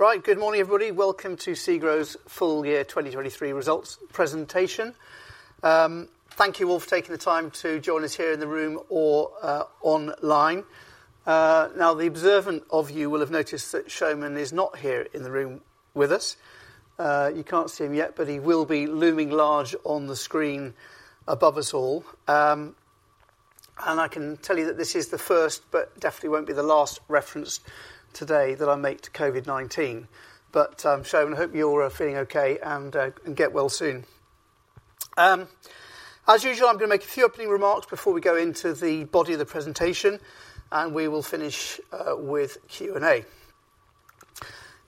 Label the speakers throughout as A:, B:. A: Right, good morning everybody. Welcome to SEGRO's Full Year 2023 results presentation. Thank you all for taking the time to join us here in the room or online. Now the observant of you will have noticed that Soumen is not here in the room with us. You can't see him yet, but he will be looming large on the screen above us all. And I can tell you that this is the first but definitely won't be the last reference today that I make to COVID-19. But, Soumen, I hope you're feeling okay and get well soon. As usual, I'm going to make a few opening remarks before we go into the body of the presentation, and we will finish with Q&A.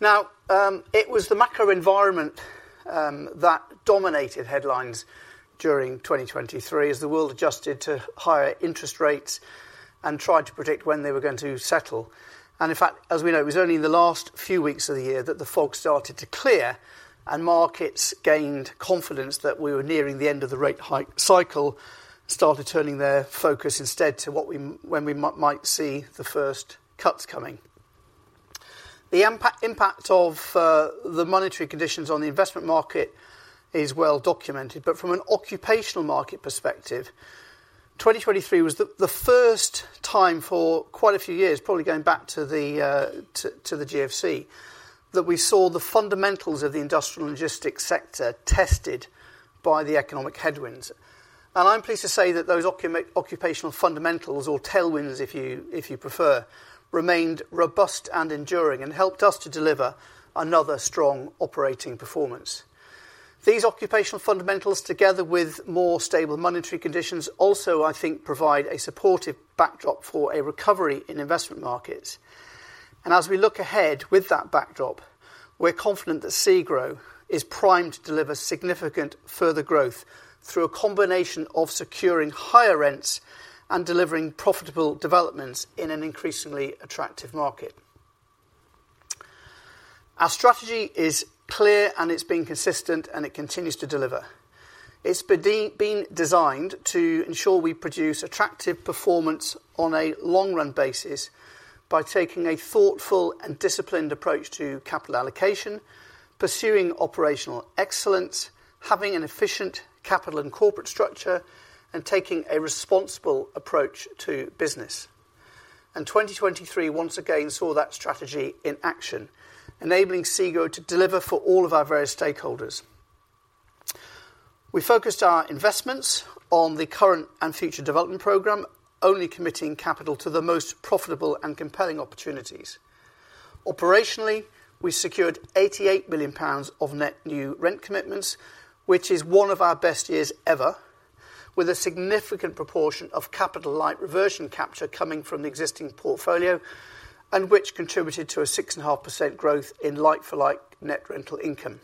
A: Now, it was the macro environment, that dominated headlines during 2023 as the world adjusted to higher interest rates and tried to predict when they were going to settle. And in fact, as we know, it was only in the last few weeks of the year that the fog started to clear and markets gained confidence that we were nearing the end of the rate hike cycle, started turning their focus instead to what we might see the first cuts coming. The impact of the monetary conditions on the investment market is well documented, but from an occupational market perspective, 2023 was the first time for quite a few years, probably going back to the GFC, that we saw the fundamentals of the industrial and logistics sector tested by the economic headwinds. I'm pleased to say that those occupational fundamentals, or tailwinds if you, if you prefer, remained robust and enduring and helped us to deliver another strong operating performance. These occupational fundamentals, together with more stable monetary conditions, also, I think, provide a supportive backdrop for a recovery in investment markets. And as we look ahead with that backdrop, we're confident that SEGRO is primed to deliver significant further growth through a combination of securing higher rents and delivering profitable developments in an increasingly attractive market. Our strategy is clear, and it's been consistent, and it continues to deliver. It's been designed to ensure we produce attractive performance on a long-run basis by taking a thoughtful and disciplined approach to capital allocation, pursuing operational excellence, having an efficient capital and corporate structure, and taking a responsible approach to business. 2023 once again saw that strategy in action, enabling SEGRO to deliver for all of our various stakeholders. We focused our investments on the current and future development programme, only committing capital to the most profitable and compelling opportunities. Operationally, we secured 88 million pounds of net new rent commitments, which is one of our best years ever, with a significant proportion of capital light reversion capture coming from the existing portfolio and which contributed to a 6.5% growth in like-for-like net rental income.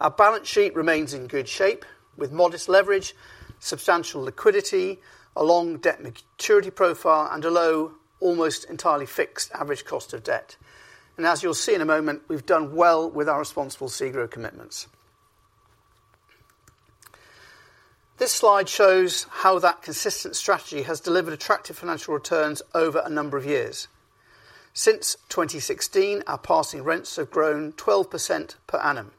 A: Our balance sheet remains in good shape, with modest leverage, substantial liquidity, a long debt maturity profile, and a low, almost entirely fixed average cost of debt. As you'll see in a moment, we've done well with our Responsible SEGRO commitments. This slide shows how that consistent strategy has delivered attractive financial returns over a number of years. Since 2016, our passing rents have grown 12% per annum.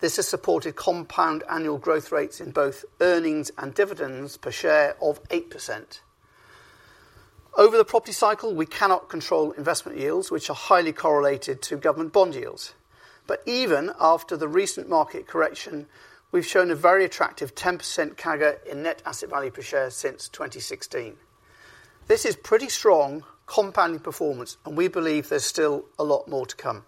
A: This has supported compound annual growth rates in both earnings and dividends per share of eight percent. Over the property cycle, we cannot control investment yields, which are highly correlated to government bond yields. But even after the recent market correction, we've shown a very attractive 10% CAGR in net asset value per share since 2016. This is pretty strong compounding performance, and we believe there's still a lot more to come.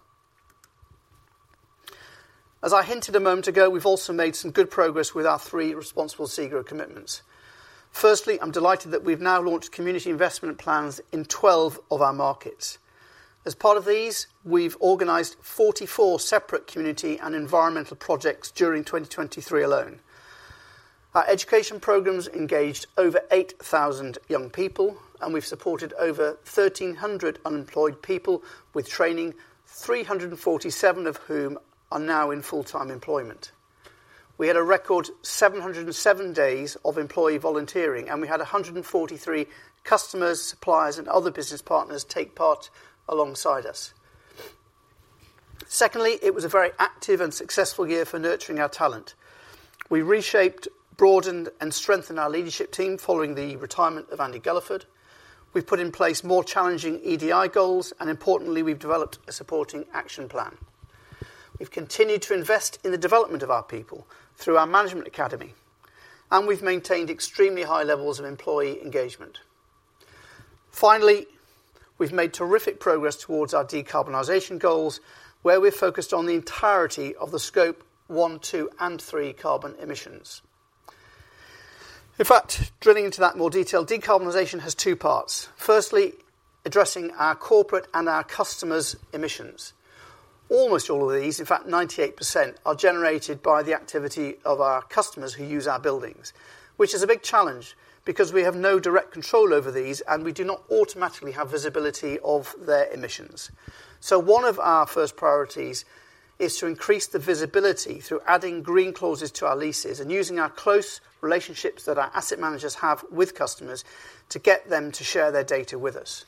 A: As I hinted a moment ago, we've also made some good progress with our three Responsible SEGRO commitments. Firstly, I'm delighted that we've now launched community investment plans in 12 of our markets. As part of these, we've organised 44 separate community and environmental projects during 2023 alone. Our education programs engaged over 8,000 young people, and we've supported over 1,300 unemployed people with training, 347 of whom are now in full-time employment. We had a record 707 days of employee volunteering, and we had 143 customers, suppliers, and other business partners take part alongside us. Secondly, it was a very active and successful year for nurturing our talent. We reshaped, broadened, and strengthened our leadership team following the retirement of Andy Gulliford. We've put in place more challenging EDI goals, and importantly, we've developed a supporting action plan. We've continued to invest in the development of our people through our Management Academy, and we've maintained extremely high levels of employee engagement. Finally, we've made terrific progress towards our decarbonization goals, where we've focused on the entirety of the Scope 1, 2, and 3 carbon emissions. In fact, drilling into that in more detail, decarbonization has two parts. Firstly, addressing our corporate and our customers' emissions. Almost all of these, in fact 98%, are generated by the activity of our customers who use our buildings, which is a big challenge because we have no direct control over these, and we do not automatically have visibility of their emissions. One of our first priorities is to increase the visibility through adding green clauses to our leases and using our close relationships that our asset managers have with customers to get them to share their data with us.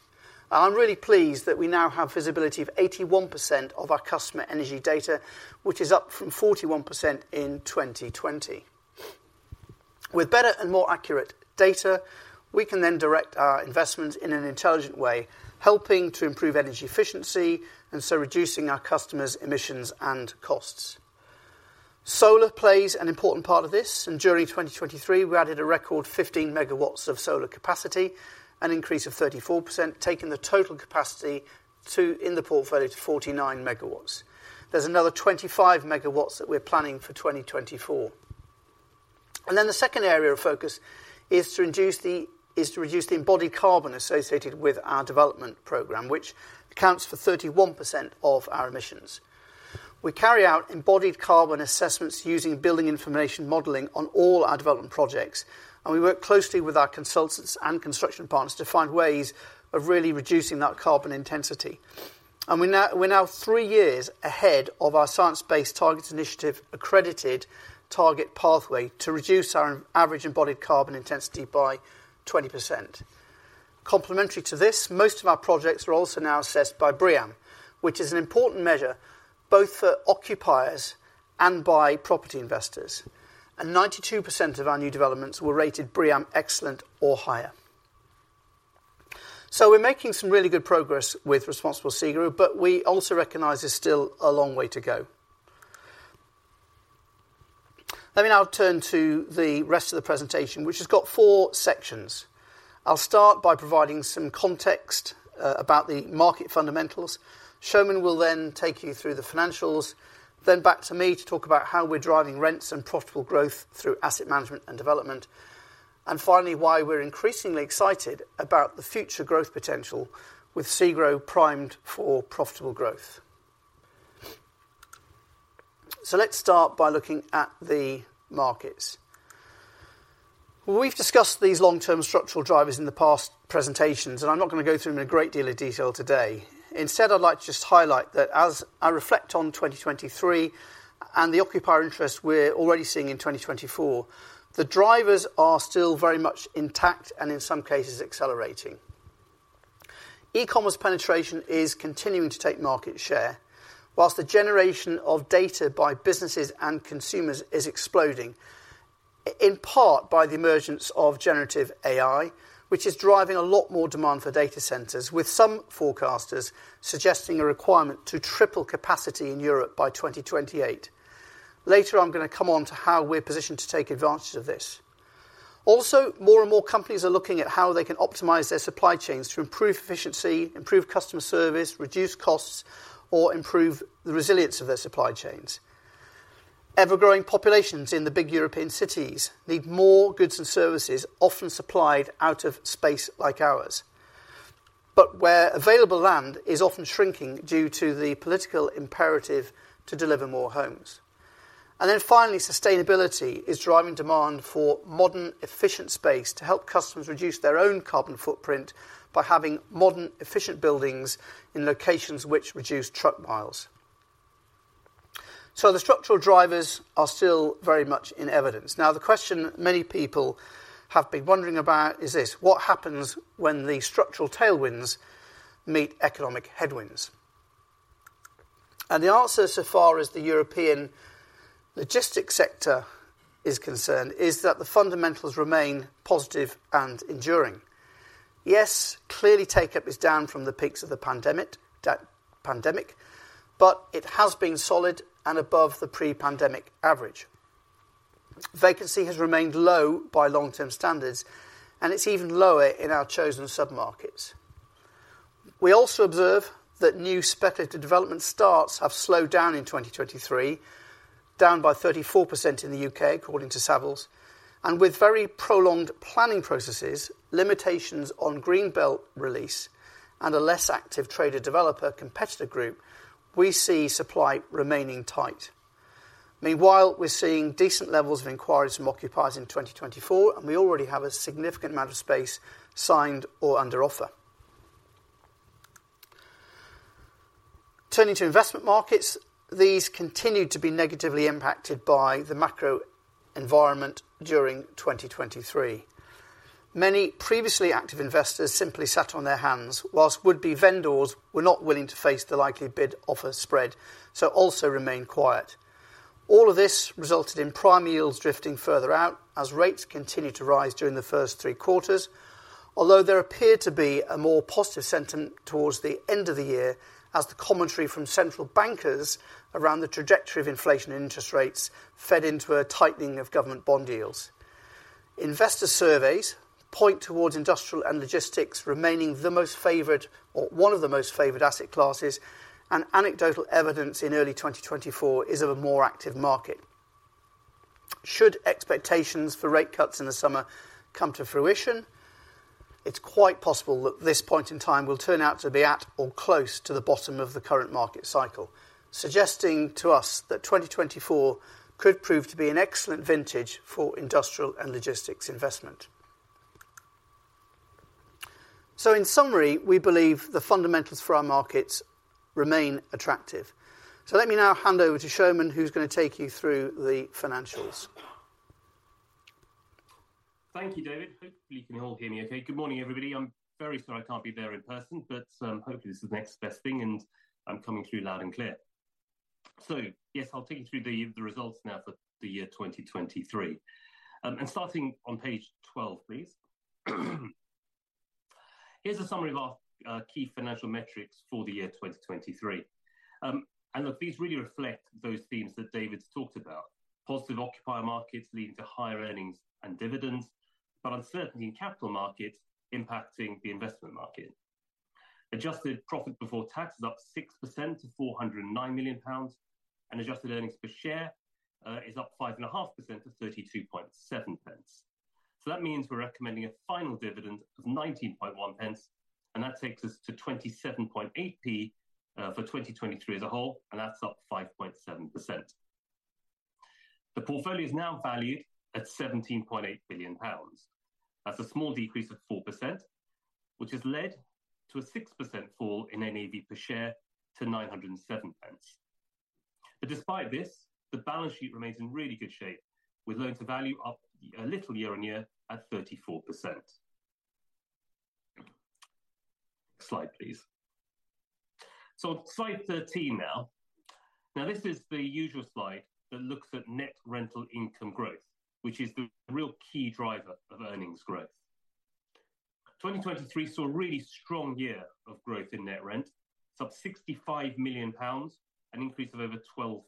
A: I'm really pleased that we now have visibility of 81% of our customer energy data, which is up from 41% in 2020. With better and more accurate data, we can then direct our investments in an intelligent way, helping to improve energy efficiency and so reducing our customers' emissions and costs. Solar plays an important part of this, and during 2023, we added a record 15 MW of solar capacity, an increase of 34%, taking the total capacity in the portfolio to 49 MW. There's another 25 MW that we're planning for 2024. Then the second area of focus is to reduce the embodied carbon associated with our development program, which accounts for 31% of our emissions. We carry out embodied carbon assessments using building information modeling on all our development projects, and we work closely with our consultants and construction partners to find ways of really reducing that carbon intensity. And we're now three years ahead of our Science Based Targets initiative accredited target pathway to reduce our average embodied carbon intensity by 20%. Complementary to this, most of our projects are also now assessed by BREEAM, which is an important measure both for occupiers and by property investors. 92% of our new developments were rated BREEAM Excellent or higher. We're making some really good progress with Responsible SEGRO, but we also recognize there's still a long way to go. Let me now turn to the rest of the presentation, which has got four sections. I'll start by providing some context about the market fundamentals. Soumen will then take you through the financials, then back to me to talk about how we're driving rents and profitable growth through asset management and development, and finally why we're increasingly excited about the future growth potential with SEGRO primed for profitable growth. Let's start by looking at the markets. We've discussed these long-term structural drivers in the past presentations, and I'm not going to go through them in a great deal of detail today. Instead, I'd like to just highlight that as I reflect on 2023 and the occupier interest we're already seeing in 2024, the drivers are still very much intact and in some cases accelerating. E-commerce penetration is continuing to take market share, while the generation of data by businesses and consumers is exploding, in part by the emergence of generative AI, which is driving a lot more demand for data centers, with some forecasters suggesting a requirement to triple capacity in Europe by 2028. Later, I'm going to come on to how we're positioned to take advantage of this. Also, more and more companies are looking at how they can optimize their supply chains to improve efficiency, improve customer service, reduce costs, or improve the resilience of their supply chains. Ever-growing populations in the big European cities need more goods and services, often supplied out of space like ours, but where available land is often shrinking due to the political imperative to deliver more homes. And then finally, sustainability is driving demand for modern, efficient space to help customers reduce their own carbon footprint by having modern, efficient buildings in locations which reduce truck miles. So the structural drivers are still very much in evidence. Now, the question many people have been wondering about is this: what happens when the structural tailwinds meet economic headwinds? And the answer so far, as the European logistics sector is concerned, is that the fundamentals remain positive and enduring. Yes, clearly take-up is down from the peaks of the pandemic, but it has been solid and above the pre-pandemic average. Vacancy has remained low by long-term standards, and it's even lower in our chosen submarkets. We also observe that new speculative development starts have slowed down in 2023, down by 34% in the U.K. according to Savills, and with very prolonged planning processes, limitations on greenbelt release, and a less active trader-developer competitor group, we see supply remaining tight. Meanwhile, we're seeing decent levels of inquiries from occupiers in 2024, and we already have a significant amount of space signed or under offer. Turning to investment markets, these continued to be negatively impacted by the macro environment during 2023. Many previously active investors simply sat on their hands, while would-be vendors were not willing to face the likely bid-offer spread, so also remained quiet. All of this resulted in prime yields drifting further out as rates continued to rise during the first three quarters, although there appeared to be a more positive sentiment towards the end of the year as the commentary from central bankers around the trajectory of inflation and interest rates fed into a tightening of government bond yields. Investor surveys point towards industrial and logistics remaining the most favoured, or one of the most favoured, asset classes, and anecdotal evidence in early 2024 is of a more active market. Should expectations for rate cuts in the summer come to fruition, it's quite possible that this point in time will turn out to be at or close to the bottom of the current market cycle, suggesting to us that 2024 could prove to be an excellent vintage for industrial and logistics investment. In summary, we believe the fundamentals for our markets remain attractive. Let me now hand over to Soumen, who's going to take you through the financials.
B: Thank you, David. Hopefully, you can all hear me okay. Good morning, everybody. I'm very sorry I can't be there in person, but hopefully this is the next best thing, and I'm coming through loud and clear. So yes, I'll take you through the results now for the year 2023. Starting on page 12, please. Here's a summary of our key financial metrics for the year 2023. Look, these really reflect those themes that David's talked about: positive occupier markets leading to higher earnings and dividends, but uncertainty in capital markets impacting the investment market. Adjusted profit before tax is up six percent to 409 million pounds, and adjusted earnings per share is up 5.5% to 0.327. So that means we're recommending a final dividend of 0.191, and that takes us to 0.278 for 2023 as a whole, and that's up 5.7%. The portfolio is now valued at 17.8 billion pounds. That's a small decrease of four percent, which has led to a six percent fall in NAV per share to 907. But despite this, the balance sheet remains in really good shape, with loan-to-value up a little year-on-year at 34%. Next slide, please. So on slide 13 now. Now, this is the usual slide that looks at net rental income growth, which is the real key driver of earnings growth. 2023 saw a really strong year of growth in net rent. It's up 65 million pounds, an increase of over 12%.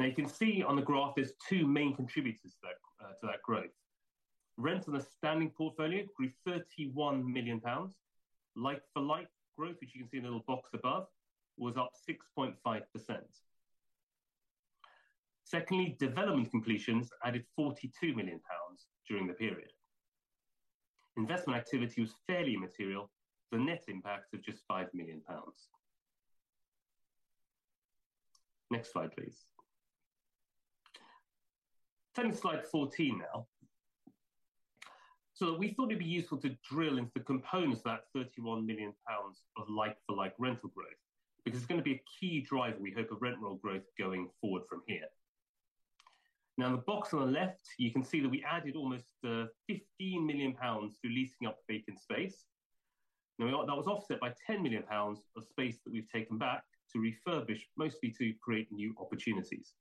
B: Now, you can see on the graph there's two main contributors to that growth. Rents on the standing portfolio grew GBP 31 million. Like-for-like growth, which you can see in the little box above, was up 6.5%. Secondly, development completions added 42 million pounds during the period. Investment activity was fairly immaterial, the net impact of just 5 million pounds. Next slide, please. Turning to slide 14 now. So we thought it'd be useful to drill into the components of that 31 million pounds of like-for-like rental growth because it's going to be a key driver, we hope, of rent roll growth going forward from here. Now, in the box on the left, you can see that we added almost 15 million pounds through leasing up vacant space. Now, that was offset by 10 million pounds of space that we've taken back to refurbish, mostly to create new opportunities.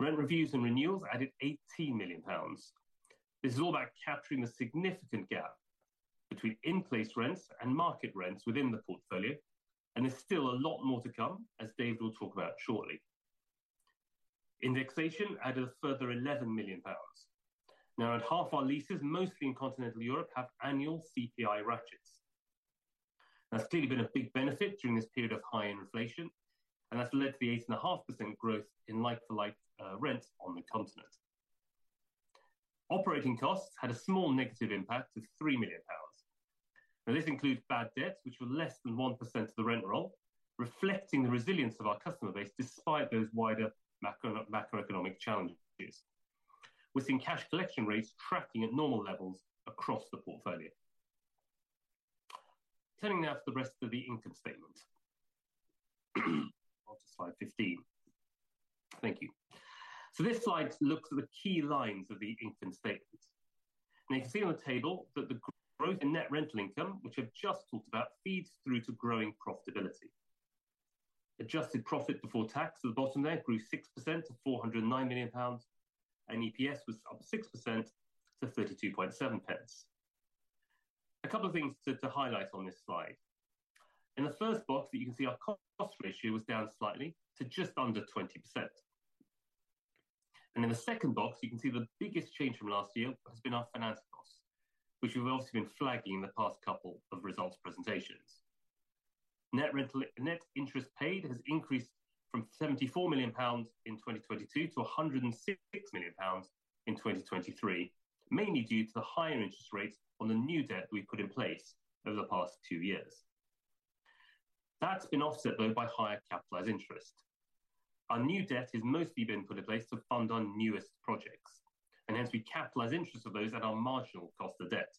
B: Rent reviews and renewals added 18 million pounds. This is all about capturing the significant gap between in-place rents and market rents within the portfolio, and there's still a lot more to come, as David will talk about shortly. Indexation added a further 11 million pounds. Now, half our leases, mostly in continental Europe, have annual CPI ratchets. That's clearly been a big benefit during this period of high inflation, and that's led to the 8.5% growth in like-for-like rents on the continent. Operating costs had a small negative impact of 3 million pounds. Now, this includes bad debts, which were less than one percent of the rent roll, reflecting the resilience of our customer base despite those wider macroeconomic challenges, with in-cash collection rates tracking at normal levels across the portfolio. Turning now to the rest of the income statement. Onto slide 15. Thank you. So this slide looks at the key lines of the income statements. Now, you can see on the table that the growth in net rental income, which I've just talked about, feeds through to growing profitability. Adjusted profit before tax at the bottom there grew six percent to 409 million pounds, and EPS was up six percent to 32.7 pence. A couple of things to highlight on this slide. In the first box, you can see our cost ratio was down slightly to just under 20%. In the second box, you can see the biggest change from last year has been our finance costs, which we've obviously been flagging in the past couple of results presentations. Net interest paid has increased from 74 million pounds in 2022 to 106 million pounds in 2023, mainly due to the higher interest rates on the new debt we put in place over the past two years. That's been offset, though, by higher capitalized interest. Our new debt has mostly been put in place to fund our newest projects, and hence we capitalized interest of those at our marginal cost of debt.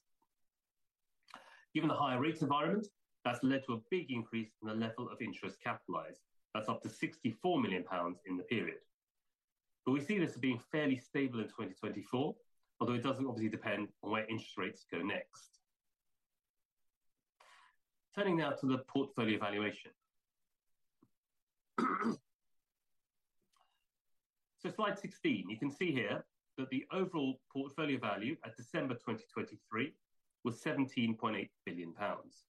B: Given the higher rate environment, that's led to a big increase in the level of interest capitalized. That's up to 64 million pounds in the period. But we see this as being fairly stable in 2024, although it doesn't obviously depend on where interest rates go next. Turning now to the portfolio valuation. So slide 16, you can see here that the overall portfolio value at December 2023 was 17.8 billion pounds.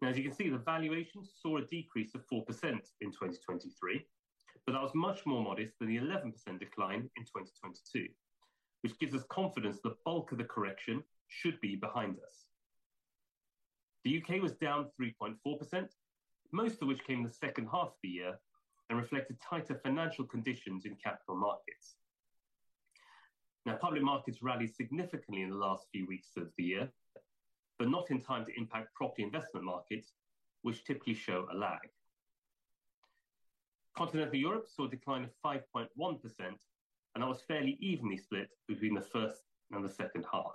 B: Now, as you can see, the valuation saw a decrease of four pecent in 2023, but that was much more modest than the 11% decline in 2022, which gives us confidence that the bulk of the correction should be behind us. The U.K. was down 3.4%, most of which came in the second half of the year and reflected tighter financial conditions in capital markets. Now, public markets rallied significantly in the last few weeks of the year, but not in time to impact property investment markets, which typically show a lag. Continental Europe saw a decline of 5.1%, and that was fairly evenly split between the first and the second half.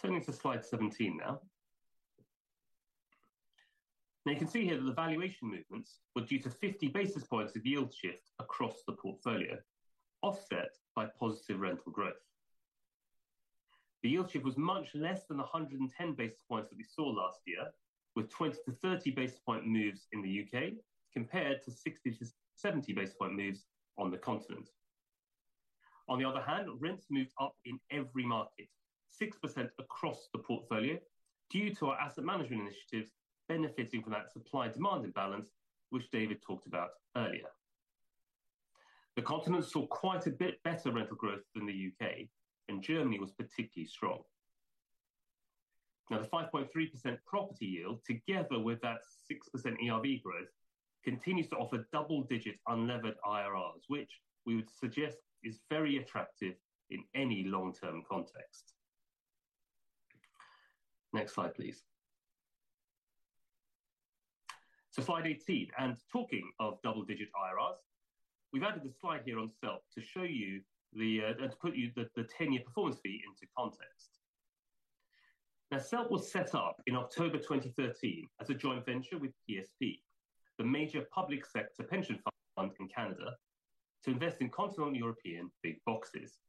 B: Turning to slide 17 now. Now, you can see here that the valuation movements were due to 50 basis points of yield shift across the portfolio, offset by positive rental growth. The yield shift was much less than the 110 basis points that we saw last year, with 20-30 basis point moves in the U.K. compared to 60-70 basis point moves on the continent. On the other hand, rents moved up in every market, six percent across the portfolio due to our asset management initiatives benefiting from that supply-demand imbalance, which David talked about earlier. The continent saw quite a bit better rental growth than the U.K., and Germany was particularly strong. Now, the 5.3% property yield, together with that six percent ERV growth, continues to offer double-digit unlevered IRRs, which we would suggest is very attractive in any long-term context. Next slide, please. So slide 18. And talking of double-digit IRRs, we've added a slide here on SELP to show you and to put the 10-year performance fee into context. Now, SELP was set up in October 2013 as a joint venture with PSP, the major public sector pension fund in Canada, to invest in continental European big boxes.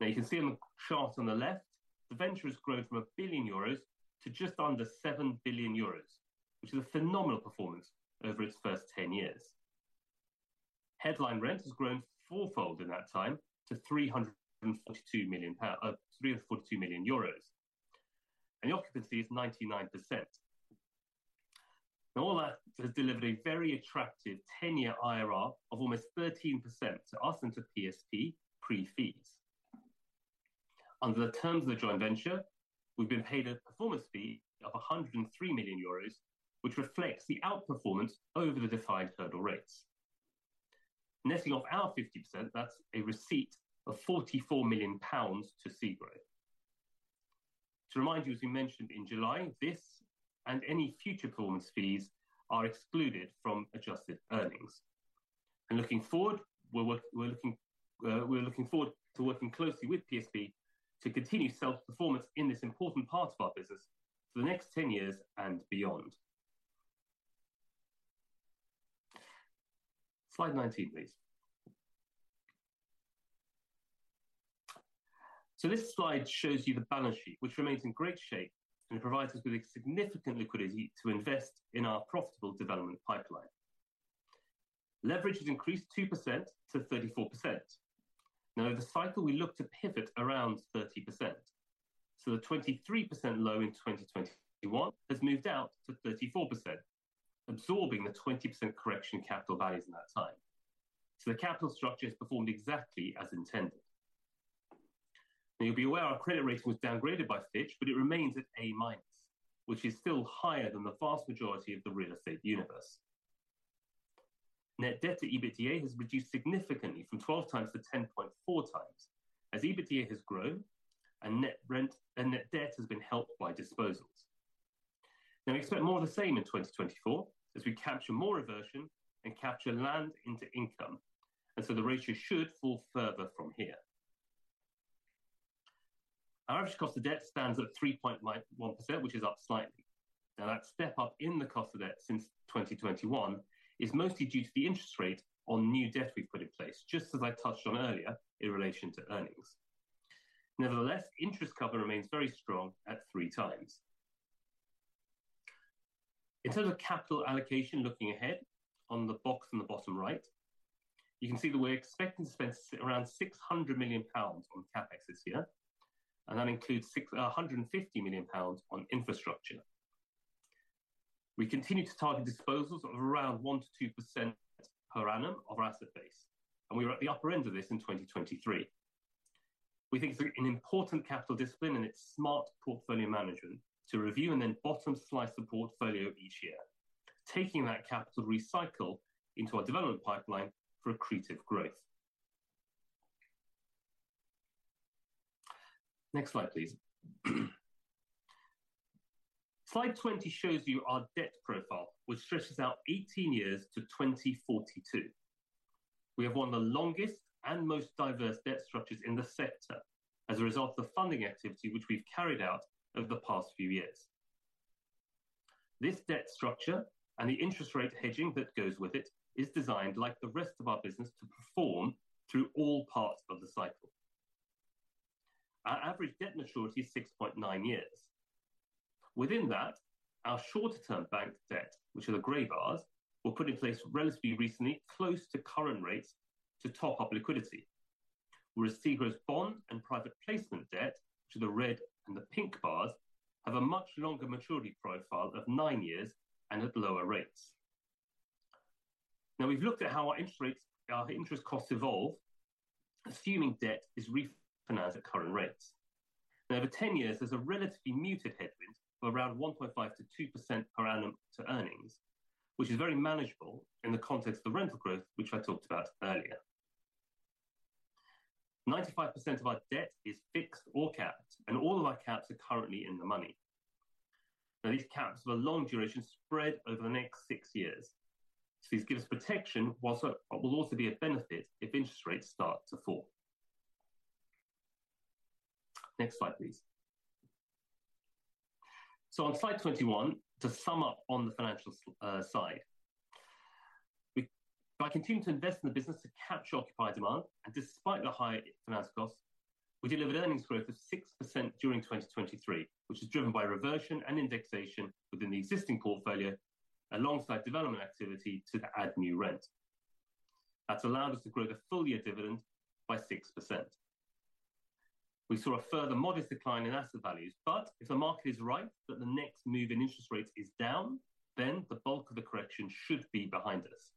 B: Now, you can see on the chart on the left, the venture has grown from 1 billion euros to just under 7 billion euros, which is a phenomenal performance over its first 10 years. Headline rent has grown fourfold in that time to 342 million euros. And the occupancy is 99%. Now, all that has delivered a very attractive 10-year IRR of almost 13% to us and to PSP pre-fees. Under the terms of the joint venture, we've been paid a performance fee of 103 million euros, which reflects the outperformance over the defined hurdle rates. Netting off our 50%, that's a receipt of 44 million pounds to SEGRO. To remind you, as we mentioned in July, this and any future performance fees are excluded from adjusted earnings. Looking forward, we're looking forward to working closely with PSP to continue SELP's performance in this important part of our business for the next 10 years and beyond. Slide 19, please. So this slide shows you the balance sheet, which remains in great shape, and it provides us with significant liquidity to invest in our profitable development pipeline. Leverage has increased two percent to 34%. Now, over cycle, we look to pivot around 30%. So the 23% low in 2021 has moved out to 34%, absorbing the 20% correction capital values in that time. So the capital structure has performed exactly as intended. Now, you'll be aware our credit rating was downgraded by Fitch, but it remains at A-, which is still higher than the vast majority of the real estate universe. Net debt to EBITDA has reduced significantly from 12x-10.4x as EBITDA has grown, and net debt has been helped by disposals. Now, we expect more of the same in 2024 as we capture more reversion and capture land into income, and so the ratio should fall further from here. Our average cost of debt stands at 3.1%, which is up slightly. Now, that step up in the cost of debt since 2021 is mostly due to the interest rate on new debt we've put in place, just as I touched on earlier in relation to earnings. Nevertheless, interest cover remains very strong at three times. In terms of capital allocation looking ahead, on the box on the bottom right, you can see that we're expecting to spend around 600 million pounds on CapEx this year, and that includes 150 million pounds on infrastructure. We continue to target disposals of around one to two percent per annum of our asset base, and we were at the upper end of this in 2023. We think it's an important capital discipline in its smart portfolio management to review and then bottom-slice the portfolio each year, taking that capital to recycle into our development pipeline for accretive growth. Next slide, please. Slide 20 shows you our debt profile, which stretches out 18 years to 2042. We have one of the longest and most diverse debt structures in the sector as a result of the funding activity which we've carried out over the past few years. This debt structure and the interest rate hedging that goes with it is designed like the rest of our business to perform through all parts of the cycle. Our average debt maturity is 6.9 years. Within that, our shorter-term bank debt, which are the grey bars, were put in place relatively recently close to current rates to top up liquidity, whereas SEGRO's bond and private placement debt, which are the red and the pink bars, have a much longer maturity profile of nine years and at lower rates. Now, we've looked at how our interest costs evolve, assuming debt is refinanced at current rates. Now, over 10 years, there's a relatively muted headwind of around 1.5% to two percent per annum to earnings, which is very manageable in the context of the rental growth which I talked about earlier. 95% of our debt is fixed or capped, and all of our caps are currently in the money. Now, these caps are long-duration, spread over the next six years. So these give us protection while it will also be a benefit if interest rates start to fall. Next slide, please. So on slide 21, to sum up on the financial side, by continuing to invest in the business to capture occupied demand and despite the higher finance costs, we delivered earnings growth of six percent during 2023, which is driven by reversion and indexation within the existing portfolio alongside development activity to add new rent. That's allowed us to grow the full-year dividend by six percent. We saw a further modest decline in asset values, but if the market is right that the next move in interest rates is down, then the bulk of the correction should be behind us.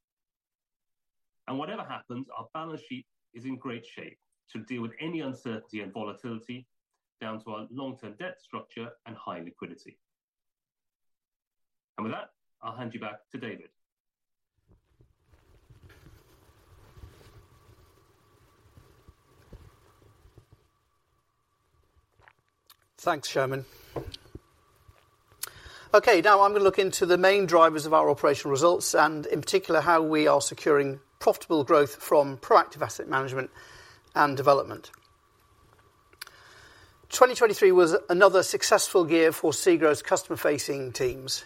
B: Whatever happens, our balance sheet is in great shape to deal with any uncertainty and volatility down to our long-term debt structure and high liquidity. With that, I'll hand you back to David.
A: Thanks, Soumen. Okay, now I'm going to look into the main drivers of our operational results and, in particular, how we are securing profitable growth from proactive asset management and development. 2023 was another successful year for SEGRO's customer-facing teams.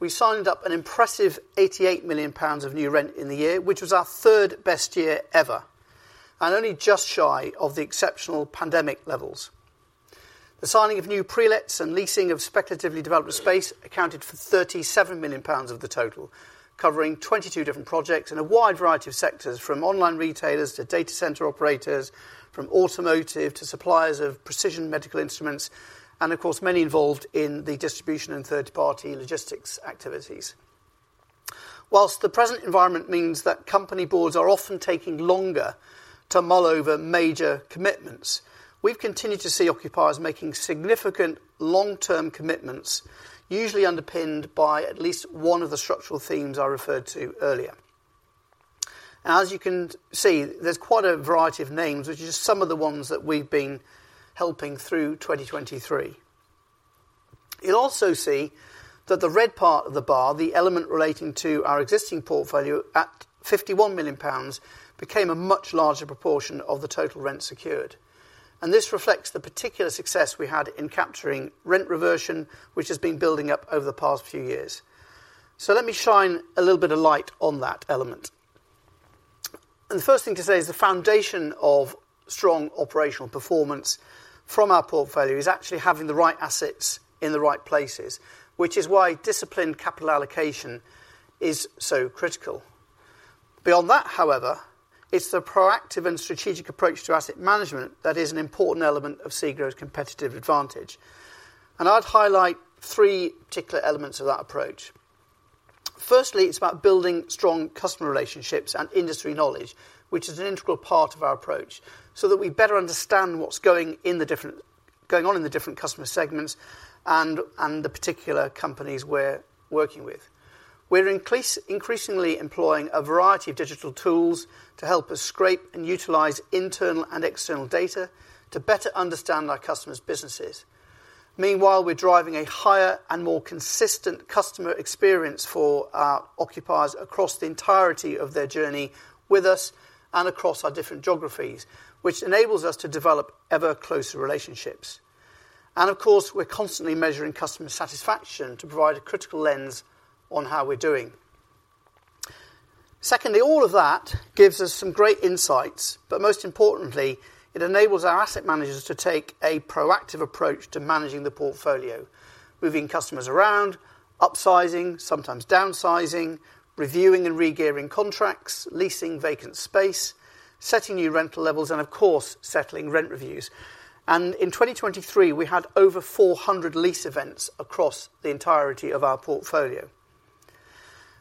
A: We signed up an impressive 88 million pounds of new rent in the year, which was our third best year ever and only just shy of the exceptional pandemic levels. The signing of new pre-leases and leasing of speculatively developed space accounted for 37 million pounds of the total, covering 22 different projects in a wide variety of sectors, from online retailers to data center operators, from automotive to suppliers of precision medical instruments, and of course, many involved in the distribution and third-party logistics activities. While the present environment means that company boards are often taking longer to mull over major commitments, we've continued to see occupiers making significant long-term commitments, usually underpinned by at least one of the structural themes I referred to earlier. Now, as you can see, there's quite a variety of names, which are just some of the ones that we've been helping through 2023. You'll also see that the red part of the bar, the element relating to our existing portfolio at 51 million pounds, became a much larger proportion of the total rent secured. And this reflects the particular success we had in capturing rent reversion, which has been building up over the past few years. So let me shine a little bit of light on that element. The first thing to say is the foundation of strong operational performance from our portfolio is actually having the right assets in the right places, which is why disciplined capital allocation is so critical. Beyond that, however, it's the proactive and strategic approach to asset management that is an important element of SEGRO's competitive advantage. I'd highlight three particular elements of that approach. Firstly, it's about building strong customer relationships and industry knowledge, which is an integral part of our approach so that we better understand what's going on in the different customer segments and the particular companies we're working with. We're increasingly employing a variety of digital tools to help us scrape and utilize internal and external data to better understand our customers' businesses. Meanwhile, we're driving a higher and more consistent customer experience for our occupiers across the entirety of their journey with us and across our different geographies, which enables us to develop ever closer relationships. Of course, we're constantly measuring customer satisfaction to provide a critical lens on how we're doing. Secondly, all of that gives us some great insights, but most importantly, it enables our asset managers to take a proactive approach to managing the portfolio, moving customers around, upsizing, sometimes downsizing, reviewing and regearing contracts, leasing vacant space, setting new rental levels, and of course, settling rent reviews. In 2023, we had over 400 lease events across the entirety of our portfolio.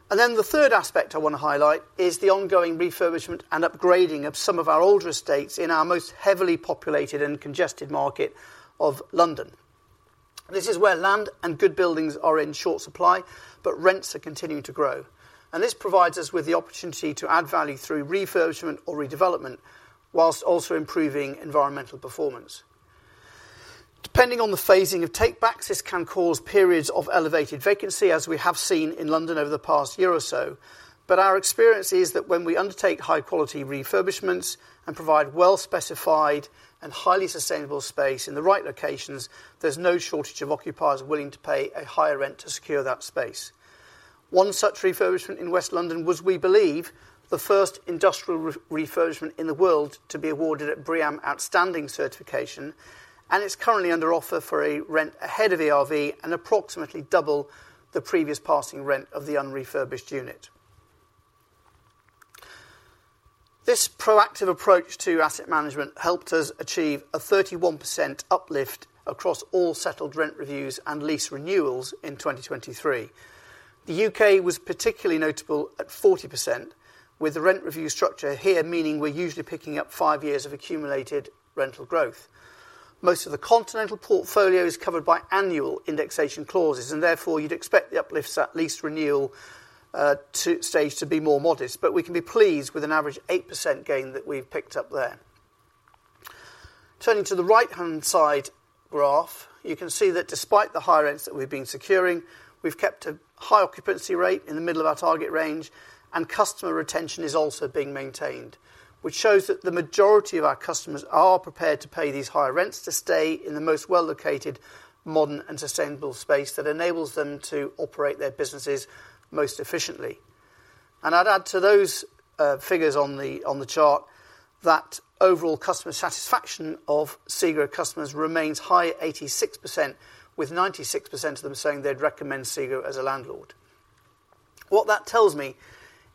A: Then the third aspect I want to highlight is the ongoing refurbishment and upgrading of some of our older estates in our most heavily populated and congested market of London. This is where land and good buildings are in short supply, but rents are continuing to grow. This provides us with the opportunity to add value through refurbishment or redevelopment while also improving environmental performance. Depending on the phasing of takebacks, this can cause periods of elevated vacancy as we have seen in London over the past year or so. But our experience is that when we undertake high-quality refurbishments and provide well-specified and highly sustainable space in the right locations, there's no shortage of occupiers willing to pay a higher rent to secure that space. One such refurbishment in West London was, we believe, the first industrial refurbishment in the world to be awarded a BREEAM Outstanding certification, and it's currently under offer for a rent ahead of ERV and approximately double the previous passing rent of the unrefurbished unit. This proactive approach to asset management helped us achieve a 31% uplift across all settled rent reviews and lease renewals in 2023. The U.K. was particularly notable at 40%, with the rent review structure here meaning we're usually picking up five years of accumulated rental growth. Most of the continental portfolio is covered by annual indexation clauses, and therefore you'd expect the uplift at lease renewal stage to be more modest, but we can be pleased with an average eight percent gain that we've picked up there. Turning to the right-hand side graph, you can see that despite the higher rents that we've been securing, we've kept a high occupancy rate in the middle of our target range, and customer retention is also being maintained, which shows that the majority of our customers are prepared to pay these higher rents to stay in the most well-located, modern, and sustainable space that enables them to operate their businesses most efficiently. And I'd add to those figures on the chart that overall customer satisfaction of SEGRO customers remains high at 86%, with 96% of them saying they'd recommend SEGRO as a landlord. What that tells me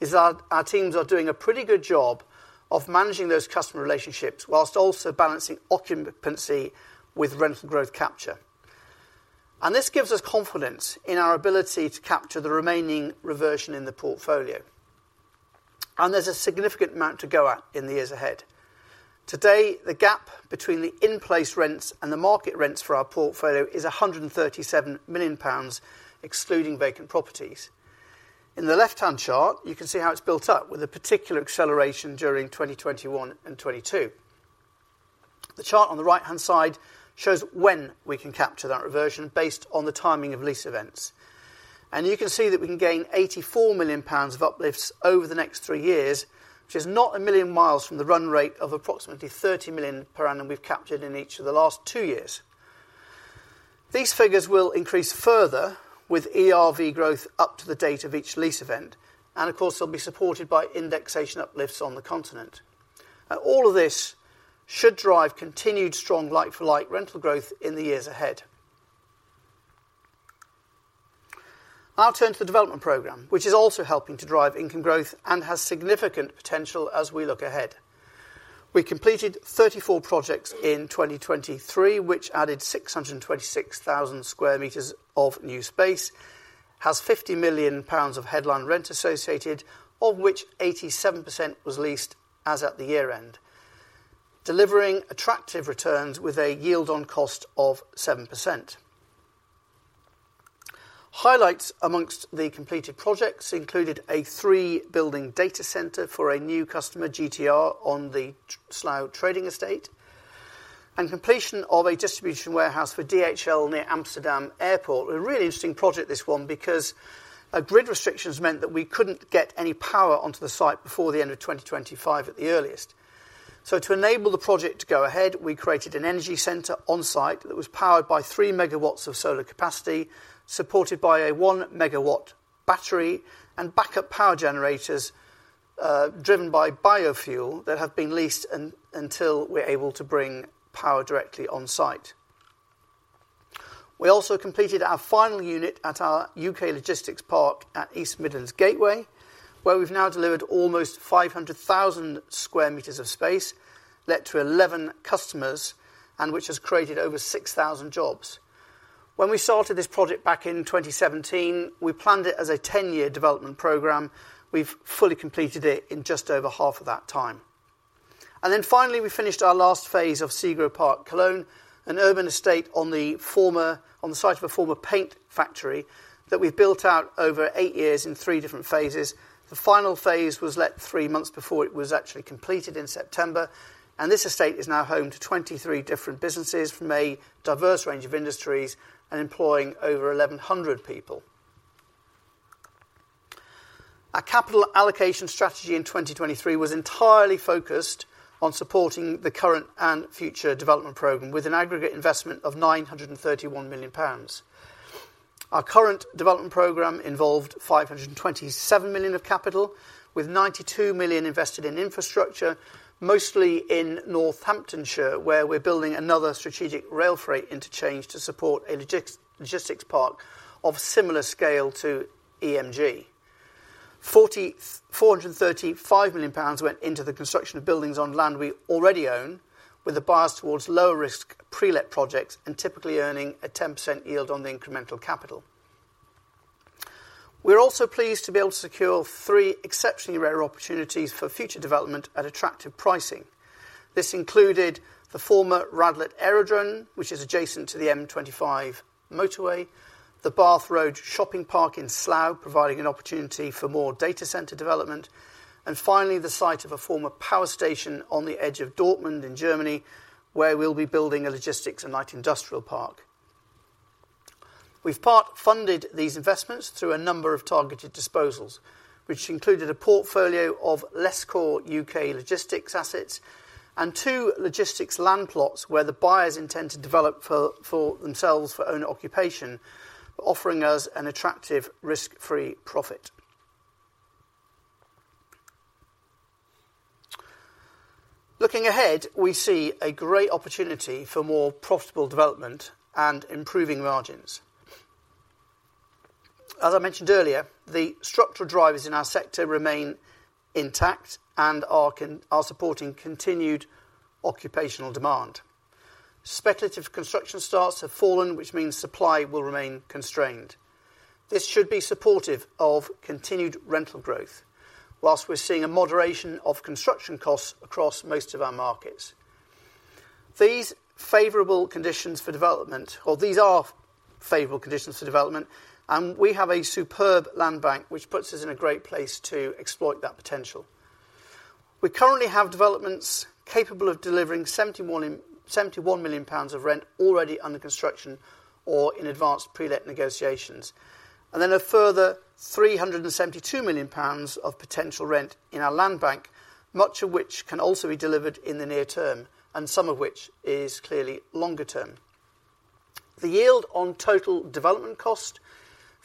A: is that our teams are doing a pretty good job of managing those customer relationships whilst also balancing occupancy with rental growth capture. And this gives us confidence in our ability to capture the remaining reversion in the portfolio. And there's a significant amount to go at in the years ahead. Today, the gap between the in-place rents and the market rents for our portfolio is 137 million pounds, excluding vacant properties. In the left-hand chart, you can see how it's built up with a particular acceleration during 2021 and 2022. The chart on the right-hand side shows when we can capture that reversion based on the timing of lease events. And you can see that we can gain 84 million pounds of uplifts over the next three years, which is not a million miles from the run rate of approximately 30 million per annum we've captured in each of the last two years. These figures will increase further with ERV growth up to the date of each lease event, and of course, they'll be supported by indexation uplifts on the continent. All of this should drive continued strong like-for-like rental growth in the years ahead. I'll turn to the development program, which is also helping to drive income growth and has significant potential as we look ahead. We completed 34 projects in 2023, which added 626,000 square meters of new space, has 50 million pounds of headline rent associated, of which 87% was leased as at the year-end, delivering attractive returns with a yield on cost of seven percent. Highlights among the completed projects included a three-building data center for a new customer, GTR, on the Slough Trading Estate, and completion of a distribution warehouse for DHL near Amsterdam Airport. A really interesting project, this one, because grid restrictions meant that we couldn't get any power onto the site before the end of 2025 at the earliest. To enable the project to go ahead, we created an energy centre on-site that was powered by 3 MW of solar capacity, supported by a 1 MW battery, and backup power generators driven by biofuel that have been leased until we're able to bring power directly on-site. We also completed our final unit at our U.K. Logistics Park at East Midlands Gateway, where we've now delivered almost 500,000 square meters of space, led to 11 customers, and which has created over 6,000 jobs. When we started this project back in 2017, we planned it as a 10-year development program. We've fully completed it in just over half of that time. Then finally, we finished our last phase of SEGRO Park Cologne, an urban estate on the site of a former paint factory that we've built out over eight years in three different phases. The final phase was led three months before it was actually completed in September, and this estate is now home to 23 different businesses from a diverse range of industries and employing over 1,100 people. Our capital allocation strategy in 2023 was entirely focused on supporting the current and future development program with an aggregate investment of 931 million pounds. Our current development program involved 527 million of capital, with 92 million invested in infrastructure, mostly in Northamptonshire, where we're building another strategic rail freight interchange to support a logistics park of similar scale to EMG. 435 million pounds went into the construction of buildings on land we already own, with the bias towards lower-risk pre-lease projects and typically earning a 10% yield on the incremental capital. We're also pleased to be able to secure three exceptionally rare opportunities for future development at attractive pricing. This included the former Radlett Aerodrome, which is adjacent to the M25 motorway, the Barth Road Shopping Park in Slough, providing an opportunity for more data centre development, and finally, the site of a former power station on the edge of Dortmund in Germany, where we'll be building a logistics and light industrial park. We've part funded these investments through a number of targeted disposals, which included a portfolio of legacy U.K. logistics assets and two logistics land plots where the buyers intend to develop for themselves for own occupation, offering us an attractive risk-free profit. Looking ahead, we see a great opportunity for more profitable development and improving margins. As I mentioned earlier, the structural drivers in our sector remain intact and are supporting continued occupational demand. Speculative construction starts have fallen, which means supply will remain constrained. This should be supportive of continued rental growth while we're seeing a moderation of construction costs across most of our markets. These favorable conditions for development, these are favorable conditions for development, and we have a superb land bank, which puts us in a great place to exploit that potential. We currently have developments capable of delivering 71 million pounds of rent already under construction or in advanced pre-lease negotiations, and then a further 372 million pounds of potential rent in our land bank, much of which can also be delivered in the near term, and some of which is clearly longer term. The yield on total development cost,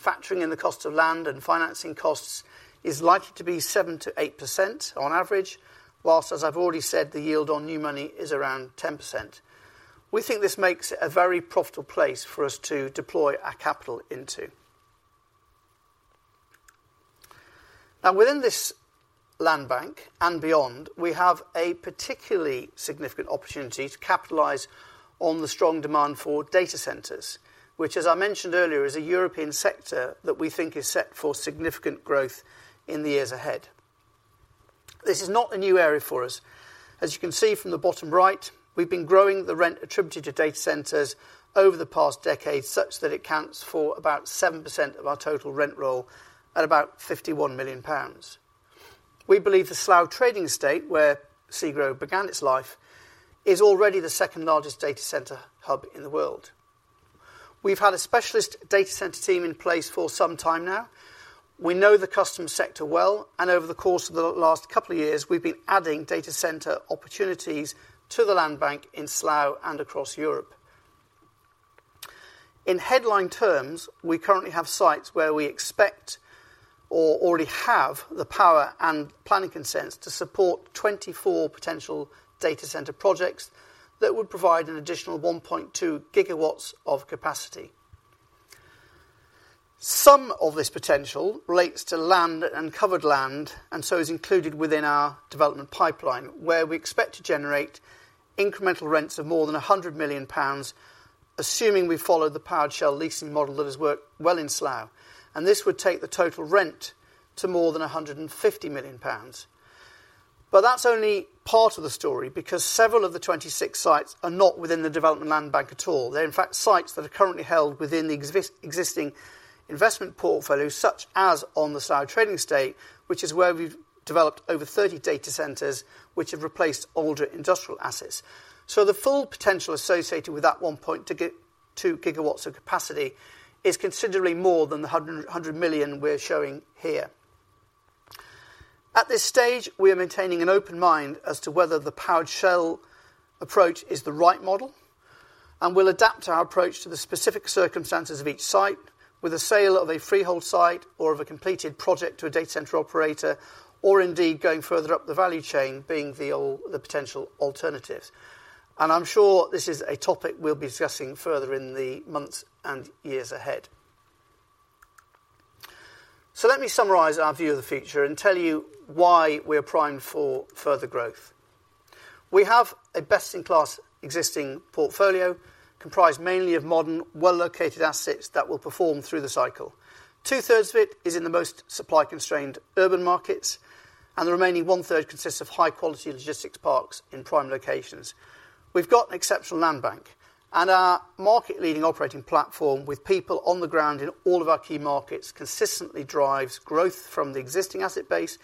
A: factoring in the cost of land and financing costs, is likely to be seven to eight percent on average, while, as I've already said, the yield on new money is around 10%. We think this makes it a very profitable place for us to deploy our capital into. Now, within this land bank and beyond, we have a particularly significant opportunity to capitalize on the strong demand for data centers, which, as I mentioned earlier, is a European sector that we think is set for significant growth in the years ahead. This is not a new area for us. As you can see from the bottom right, we've been growing the rent attributed to data centers over the past decade, such that it counts for about seven percent of our total rent roll at about 51 million pounds. We believe the Slough Trading Estate, where SEGRO began its life, is already the second largest data center hub in the world. We've had a specialist data center team in place for some time now. We know the customer sector well, and over the course of the last couple of years, we've been adding data center opportunities to the land bank in Slough and across Europe. In headline terms, we currently have sites where we expect or already have the power and planning consents to support 24 potential data center projects that would provide an additional 1.2 GW of capacity. Some of this potential relates to land and covered land, and so is included within our development pipeline, where we expect to generate incremental rents of more than 100 million pounds, assuming we follow the powered shell leasing model that has worked well in Slough. And this would take the total rent to more than 150 million pounds. But that's only part of the story, because several of the 26 sites are not within the development land bank at all. They're, in fact, sites that are currently held within the existing investment portfolio, such as on the Slough Trading Estate, which is where we've developed over 30 data centers, which have replaced older industrial assets. The full potential associated with that 1.2 GW of capacity is considerably more than the 100 million we're showing here. At this stage, we are maintaining an open mind as to whether the powered shell approach is the right model, and we'll adapt our approach to the specific circumstances of each site, with a sale of a freehold site or of a completed project to a data center operator, or indeed going further up the value chain, being the potential alternatives. I'm sure this is a topic we'll be discussing further in the months and years ahead. So let me summarize our view of the future and tell you why we're primed for further growth. We have a best-in-class existing portfolio comprised mainly of modern, well-located assets that will perform through the cycle. 2/3 of it is in the most supply-constrained urban markets, and the remaining 1/3 consists of high-quality logistics parks in prime locations. We've got an exceptional land bank, and our market-leading operating platform, with people on the ground in all of our key markets, consistently drives growth from the existing asset base,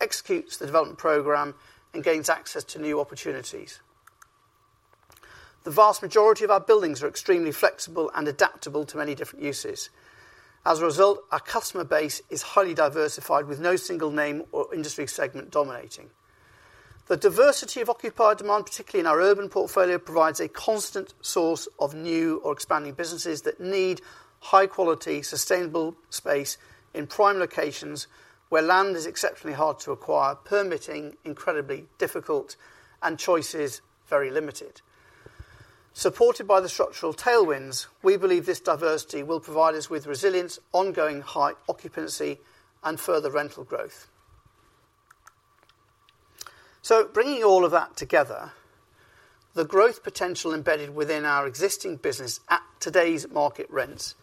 A: executes the development programme, and gains access to new opportunities. The vast majority of our buildings are extremely flexible and adaptable to many different uses. As a result, our customer base is highly diversified, with no single name or industry segment dominating. The diversity of occupied demand, particularly in our urban portfolio, provides a constant source of new or expanding businesses that need high-quality, sustainable space in prime locations, where land is exceptionally hard to acquire, permitting incredibly difficult and choices very limited. Supported by the structural tailwinds, we believe this diversity will provide us with resilience, ongoing high occupancy, and further rental growth. So bringing all of that together, the growth potential embedded within our existing business at today's market rents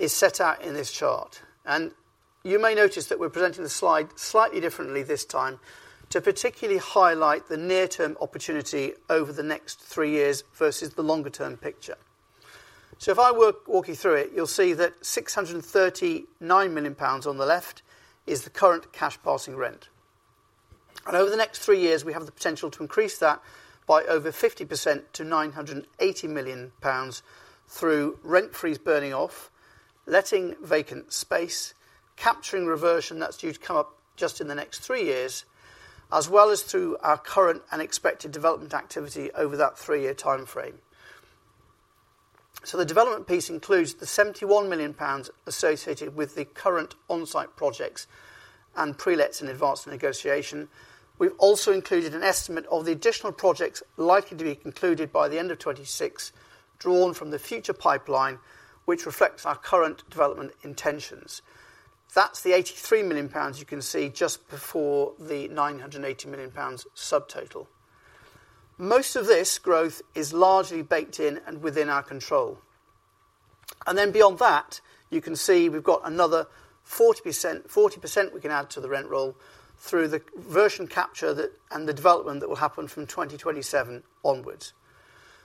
A: is set out in this chart. And you may notice that we're presenting the slide slightly differently this time to particularly highlight the near-term opportunity over the next three years versus the longer-term picture. So if I walk you through it, you'll see that 639 million pounds on the left is the current cash-passing rent. Over the next three years, we have the potential to increase that by over 50% to 980 million pounds through rent freeze burning off, letting vacant space, capturing reversion that's due to come up just in the next three years, as well as through our current and expected development activity over that three-year timeframe. So the development piece includes the 71 million pounds associated with the current on-site projects and pre-lease and advanced negotiation. We've also included an estimate of the additional projects likely to be concluded by the end of 2026, drawn from the future pipeline, which reflects our current development intentions. That's the 83 million pounds you can see just before the 980 million pounds subtotal. Most of this growth is largely baked in and within our control. And then beyond that, you can see we've got another 40% we can add to the rent roll through the reversion capture and the development that will happen from 2027 onwards.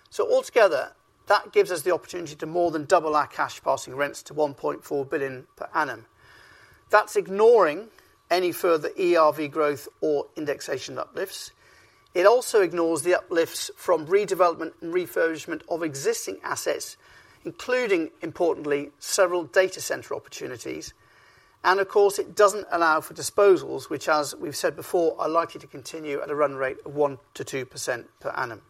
A: So altogether, that gives us the opportunity to more than double our passing rents to 1.4 billion per annum. That's ignoring any further ERV growth or indexation uplifts. It also ignores the uplifts from redevelopment and refurbishment of existing assets, including, importantly, several data center opportunities. And of course, it doesn't allow for disposals, which, as we've said before, are likely to continue at a run rate of one to two percent per annum.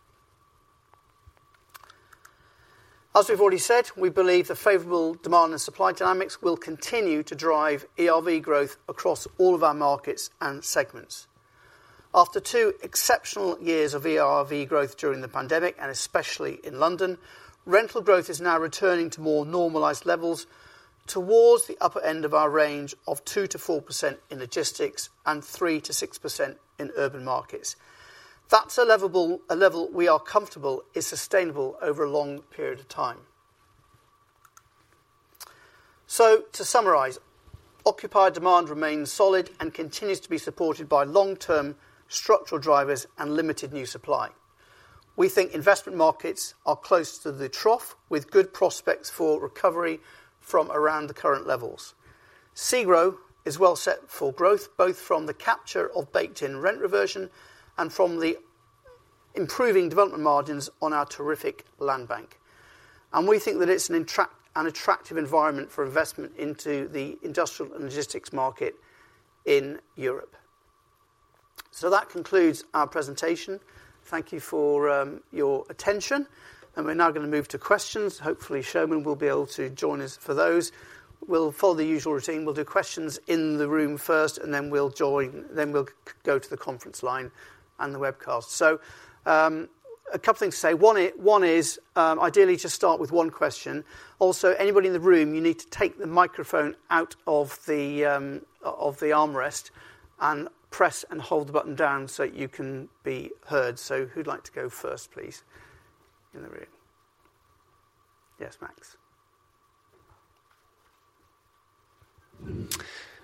A: As we've already said, we believe the favorable demand and supply dynamics will continue to drive ERV growth across all of our markets and segments. After two exceptional years of ERV growth during the pandemic, and especially in London, rental growth is now returning to more normalized levels towards the upper end of our range of two to four percent in logistics and three to six percent in urban markets. That's a level we are comfortable is sustainable over a long period of time. To summarize, occupied demand remains solid and continues to be supported by long-term structural drivers and limited new supply. We think investment markets are close to the trough, with good prospects for recovery from around the current levels. SEGRO is well set for growth, both from the capture of baked-in rent reversion and from the improving development margins on our terrific land bank. We think that it's an attractive environment for investment into the industrial and logistics market in Europe. That concludes our presentation. Thank you for your attention. We're now going to move to questions. Hopefully, Soumen will be able to join us for those. We'll follow the usual routine. We'll do questions in the room first, and then we'll join, then we'll go to the conference line and the webcast. So a couple of things to say. One is, ideally, just start with one question. Also, anybody in the room, you need to take the microphone out of the armrest and press and hold the button down so that you can be heard. So who'd like to go first, please, in the room? Yes, Max.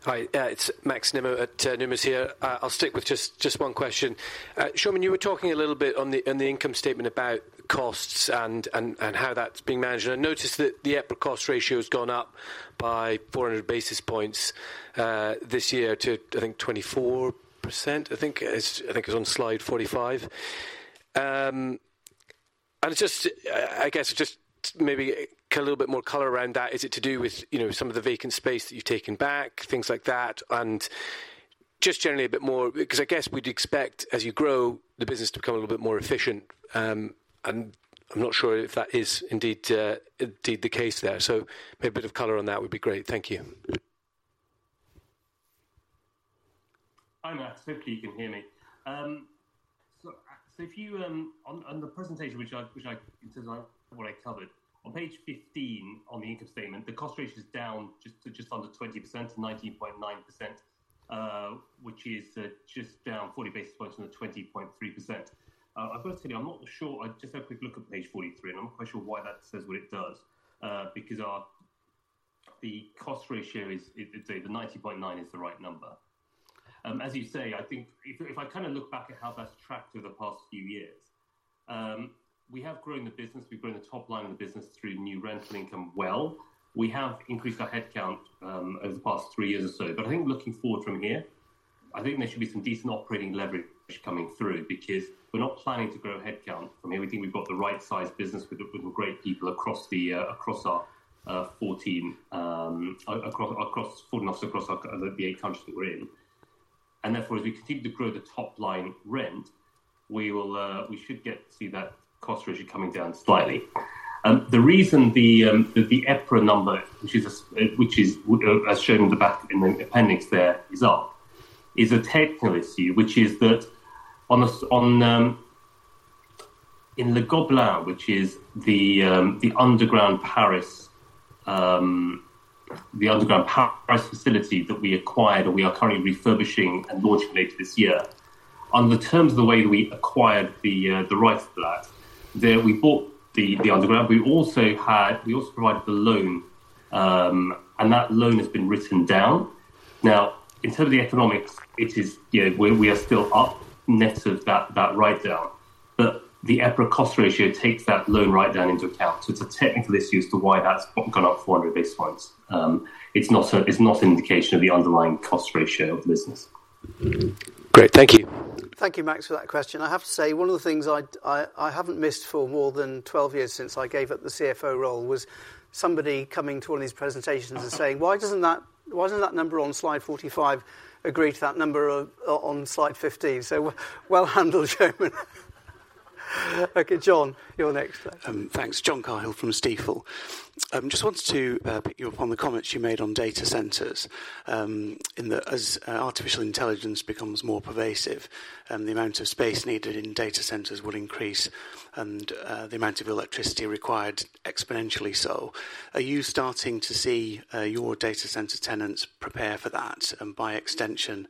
C: Hi. It's Max Nimmo from Numis here. I'll stick with just one question. Soumen, you were talking a little bit on the income statement about costs and how that's being managed. I noticed that the EPRA cost ratio has gone up by 400 basis points this year to, I think, 24%. I think it's on slide 45. I guess just maybe a little bit more color around that. Is it to do with some of the vacant space that you've taken back, things like that? Just generally a bit more because I guess we'd expect, as you grow, the business to become a little bit more efficient. I'm not sure if that is indeed the case there. Maybe a bit of color on that would be great. Thank you.
B: Hi Max. Hopefully, you can hear me. So on the presentation, which I've covered, on page 15 on the income statement, the cost ratio's down just under 20% to 19.9%, which is just down 40 basis points from the 20.3%. I've got to tell you, I'm not sure. I just had a quick look at page 43, and I'm not quite sure why that says what it does, because the cost ratio is the 19.9% is the right number. As you say, I think if I kind of look back at how that's tracked over the past few years, we have grown the business. We've grown the top line of the business through new rental income well. We have increased our headcount over the past three years or so. But I think looking forward from here, I think there should be some decent operating leverage coming through, because we're not planning to grow headcount from here. We think we've got the right-sized business with some great people across our 14 offices across the eight countries that we're in. And therefore, as we continue to grow the top line rent, we should see that cost ratio coming down slightly. The reason the EPRA number, which is as shown in the appendix there, is up, is a technical issue, which is that in Les Gobelins, which is the underground Paris facility that we acquired or we are currently refurbishing and launching later this year, under the terms of the way that we acquired the freehold, we bought the underground. We also provided the loan, and that loan has been written down. Now, in terms of the economics, we are still up net of that write-down. But the EPRA cost ratio takes that loan write-down into account. So it's a technical issue as to why that's gone up 400 basis points. It's not an indication of the underlying cost ratio of the business.
C: Great. Thank you.
A: Thank you, Max, for that question. I have to say, one of the things I haven't missed for more than 12 years since I gave up the CFO role was somebody coming to one of these presentations and saying, "Why doesn't that number on slide 45 agree to that number on slide 15?" So well handled, Soumen. Okay, Jon, you're next.
D: Thanks. John Cahill from Stifel. Just wanted to pick you up on the comments you made on data centers. As artificial intelligence becomes more pervasive, the amount of space needed in data centers will increase, and the amount of electricity required exponentially so. Are you starting to see your data center tenants prepare for that? And by extension,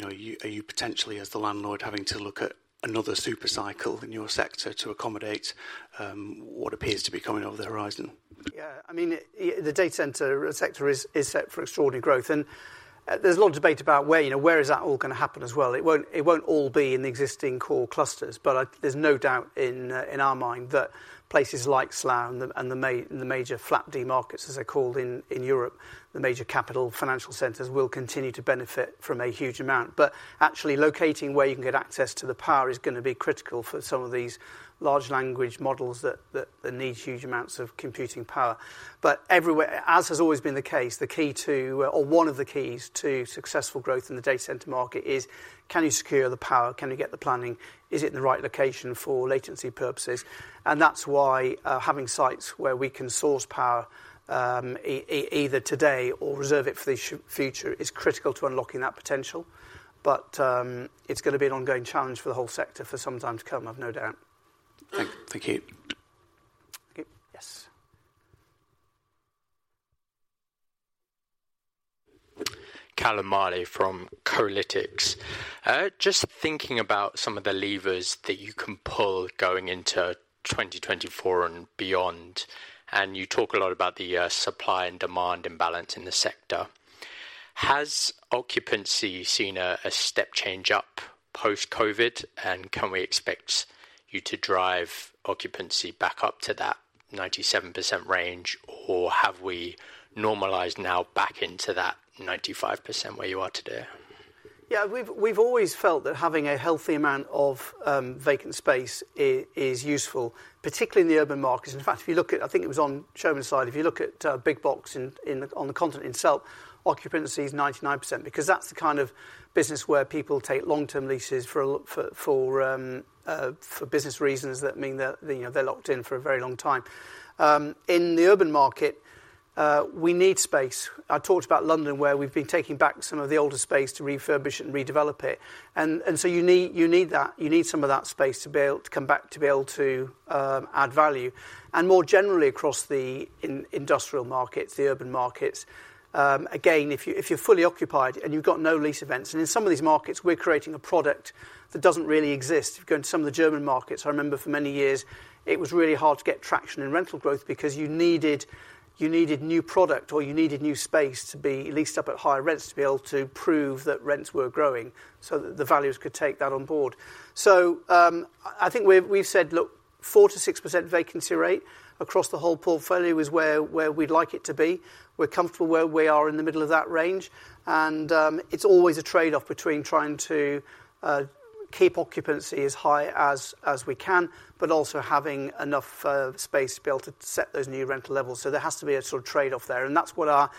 D: are you potentially, as the landlord, having to look at another supercycle in your sector to accommodate what appears to be coming over the horizon?
A: Yeah. I mean, the data center sector is set for extraordinary growth. And there's a lot of debate about where is that all going to happen as well. It won't all be in the existing core clusters. But there's no doubt in our mind that places like Slough and the major FLAP-D markets, as they're called in Europe, the major capital financial centers, will continue to benefit from a huge amount. But actually, locating where you can get access to the power is going to be critical for some of these large language models that need huge amounts of computing power. But as has always been the case, the key to or one of the keys to successful growth in the data center market is, can you secure the power? Can you get the planning? Is it in the right location for latency purposes? That's why having sites where we can source power either today or reserve it for the future is critical to unlocking that potential. It's going to be an ongoing challenge for the whole sector for some time to come, I've no doubt.
D: Thank you.
A: Thank you. Yes.
E: Callum Marley from Kolytics. Just thinking about some of the levers that you can pull going into 2024 and beyond, and you talk a lot about the supply and demand imbalance in the sector. Has occupancy seen a step change up post-COVID, and can we expect you to drive occupancy back up to that 97% range, or have we normalized now back into that 95% where you are today?
A: Yeah. We've always felt that having a healthy amount of vacant space is useful, particularly in the urban markets. In fact, if you look at I think it was on Soumen's side. If you look at Big Box on the continent itself, occupancy is 99%, because that's the kind of business where people take long-term leases for business reasons that mean that they're locked in for a very long time. In the urban market, we need space. I talked about London, where we've been taking back some of the older space to refurbish and redevelop it. And so you need that. You need some of that space to be able to come back to be able to add value. More generally, across the industrial markets, the urban markets, again, if you're fully occupied and you've got no lease events and in some of these markets, we're creating a product that doesn't really exist. If you go into some of the German markets, I remember for many years, it was really hard to get traction in rental growth because you needed new product or you needed new space to be leased up at higher rents to be able to prove that rents were growing so that the values could take that on board. So I think we've said, look, four to six percent vacancy rate across the whole portfolio is where we'd like it to be. We're comfortable where we are in the middle of that range. It's always a trade-off between trying to keep occupancy as high as we can, but also having enough space to be able to set those new rental levels. There has to be a sort of trade-off there. That's what our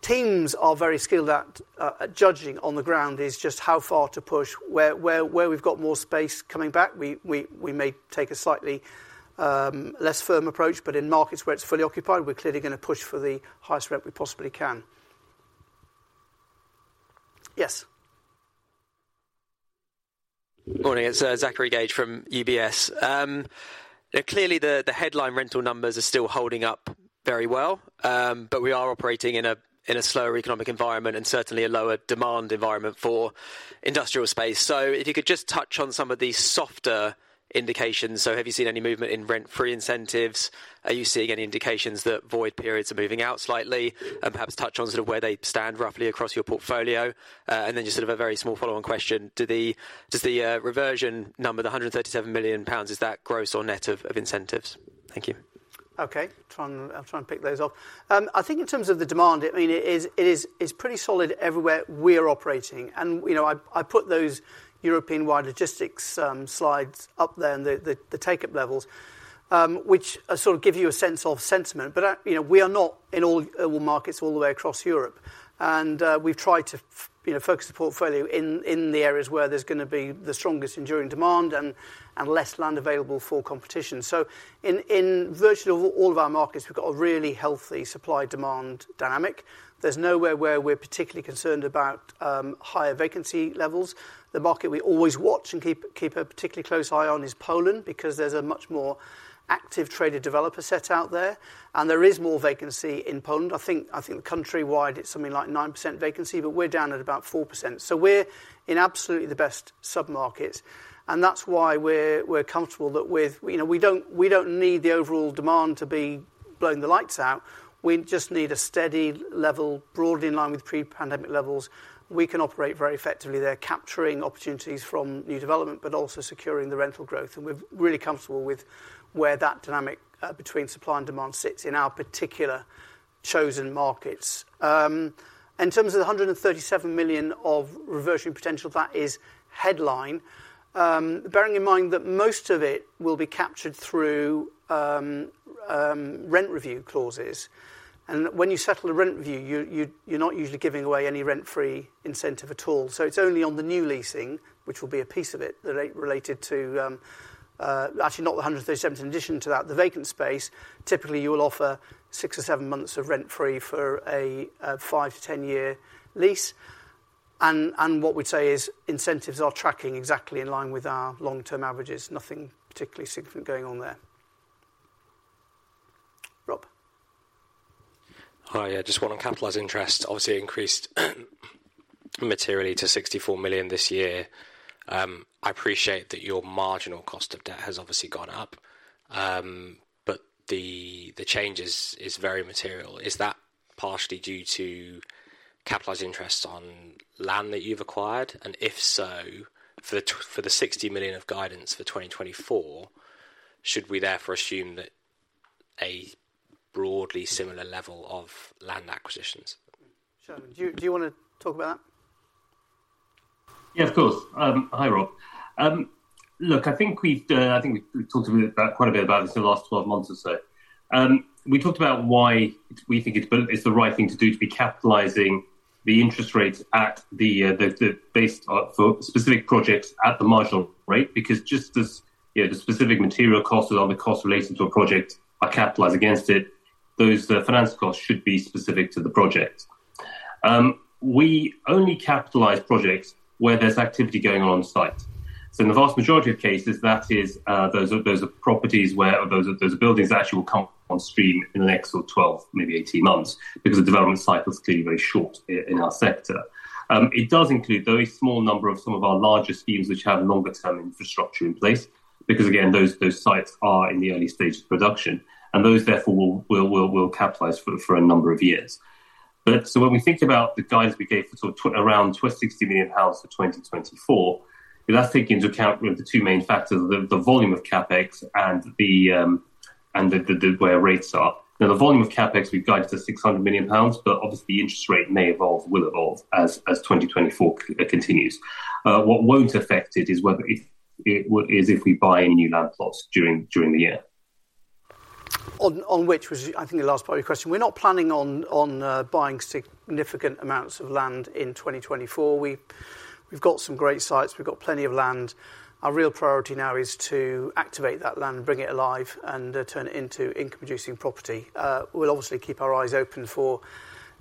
A: teams are very skilled at judging on the ground, is just how far to push. Where we've got more space coming back, we may take a slightly less firm approach, but in markets where it's fully occupied, we're clearly going to push for the highest rent we possibly can. Yes.
F: Morning. It's Zachary Gauge from UBS. Clearly, the headline rental numbers are still holding up very well, but we are operating in a slower economic environment and certainly a lower demand environment for industrial space. So if you could just touch on some of these softer indications. So have you seen any movement in rent-free incentives? Are you seeing any indications that void periods are moving out slightly? And perhaps touch on sort of where they stand roughly across your portfolio. And then just sort of a very small follow-on question. Does the reversion number, the 137 million pounds, is that gross or net of incentives? Thank you.
A: Okay. I'll try and pick those off. I think in terms of the demand, I mean, it is pretty solid everywhere we are operating. And I put those European-wide logistics slides up there and the take-up levels, which sort of give you a sense of sentiment. But we are not in all markets all the way across Europe. And we've tried to focus the portfolio in the areas where there's going to be the strongest enduring demand and less land available for competition. So in virtually all of our markets, we've got a really healthy supply-demand dynamic. There's nowhere where we're particularly concerned about higher vacancy levels. The market we always watch and keep a particularly close eye on is Poland, because there's a much more active trader-developer set out there. And there is more vacancy in Poland. I think countrywide, it's something like nine percent vacancy, but we're down at about four percent. So we're in absolutely the best submarkets. And that's why we're comfortable that we don't need the overall demand to be blowing the lights out. We just need a steady level broadly in line with pre-pandemic levels. We can operate very effectively there, capturing opportunities from new development, but also securing the rental growth. And we're really comfortable with where that dynamic between supply and demand sits in our particular chosen markets. In terms of the 137 million of reversion potential that is headline, bearing in mind that most of it will be captured through rent review clauses. And when you settle a rent review, you're not usually giving away any rent-free incentive at all. So it's only on the new leasing, which will be a piece of it, that related to actually not the 137. In addition to that, the vacant space, typically you will offer six or seven months of rent-free for a 5-10-year lease. What we'd say is incentives are tracking exactly in line with our long-term averages. Nothing particularly significant going on there. Rob?
G: Hi. Just want to capitalize interest. Obviously, it increased materially to 64 million this year. I appreciate that your marginal cost of debt has obviously gone up, but the change is very material. Is that partially due to capitalized interest on land that you've acquired? And if so, for the 60 million of guidance for 2024, should we therefore assume that a broadly similar level of land acquisitions?
A: Soumen, do you want to talk about that?
B: Yeah, of course. Hi, Rob. Look, I think we've talked quite a bit about this in the last 12 months or so. We talked about why we think it's the right thing to do to be capitalizing the interest rates for specific projects at the marginal rate, because just as the specific material costs and other costs relating to a project are capitalized against it, those finance costs should be specific to the project. We only capitalize projects where there's activity going on on-site. So in the vast majority of cases, those are properties where those buildings actually will come on stream in the next sort of 12, maybe 18 months, because the development cycle's clearly very short in our sector. It does include, though, a small number of some of our larger schemes which have longer-term infrastructure in place, because again, those sites are in the early stage of production. And those, therefore, will capitalize for a number of years. So when we think about the guidance we gave around 260 million pounds for 2024, that's taking into account the two main factors, the volume of CapEx and the way our rates are. Now, the volume of CapEx, we've guided to 600 million pounds, but obviously, the interest rate may evolve, will evolve, as 2024 continues. What won't affect it is if we buy any new land plots during the year.
A: On which was, I think, the last part of your question. We're not planning on buying significant amounts of land in 2024. We've got some great sites. We've got plenty of land. Our real priority now is to activate that land, bring it alive, and turn it into income-producing property. We'll obviously keep our eyes open for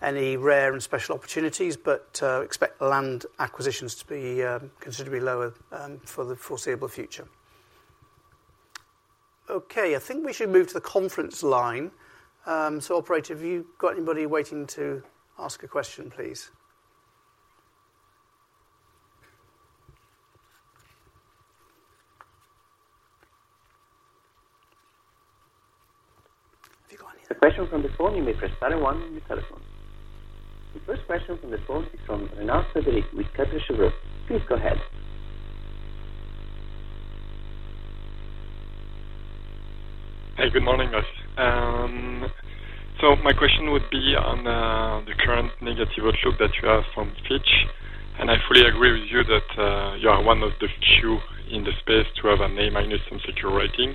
A: any rare and special opportunities, but expect land acquisitions to be considerably lower for the foreseeable future. Okay. I think we should move to the conference line. So Operator, have you got anybody waiting to ask a question, please? Have you got any?
H: The question from the phone, you may press star one on the telephone. The first question from the phone is from Renard Frederic with Kepler Cheuvreux. Please go ahead.
I: Hey. Good morning, guys. So my question would be on the current negative outlook that you have from Fitch. And I fully agree with you that you are one of the few in the space to have an A-minus in secure rating.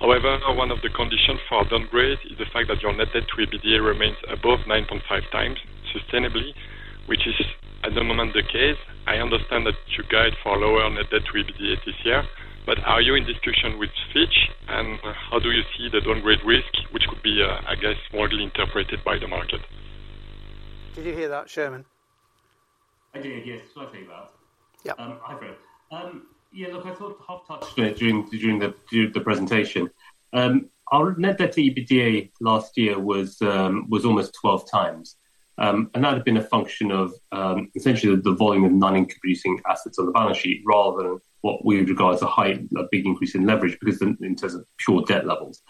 I: However, one of the conditions for downgrade is the fact that your net debt to EBITDA remains above 9.5x sustainably, which is at the moment the case. I understand that you guide for a lower net debt to EBITDA this year. But are you in discussion with Fitch, and how do you see the downgrade risk, which could be, I guess, smugly interpreted by the market?
A: Did you hear that, Soumen?
B: I did, yes. Sorry about that.
A: Yeah.
B: Hi, Fred. Yeah. Look, I thought half touched on it during the presentation. Our net debt to EBITDA last year was almost 12 times. That had been a function of essentially the volume of non-income-producing assets on the balance sheet rather than what we would regard as a big increase in leverage because in terms of pure debt levels.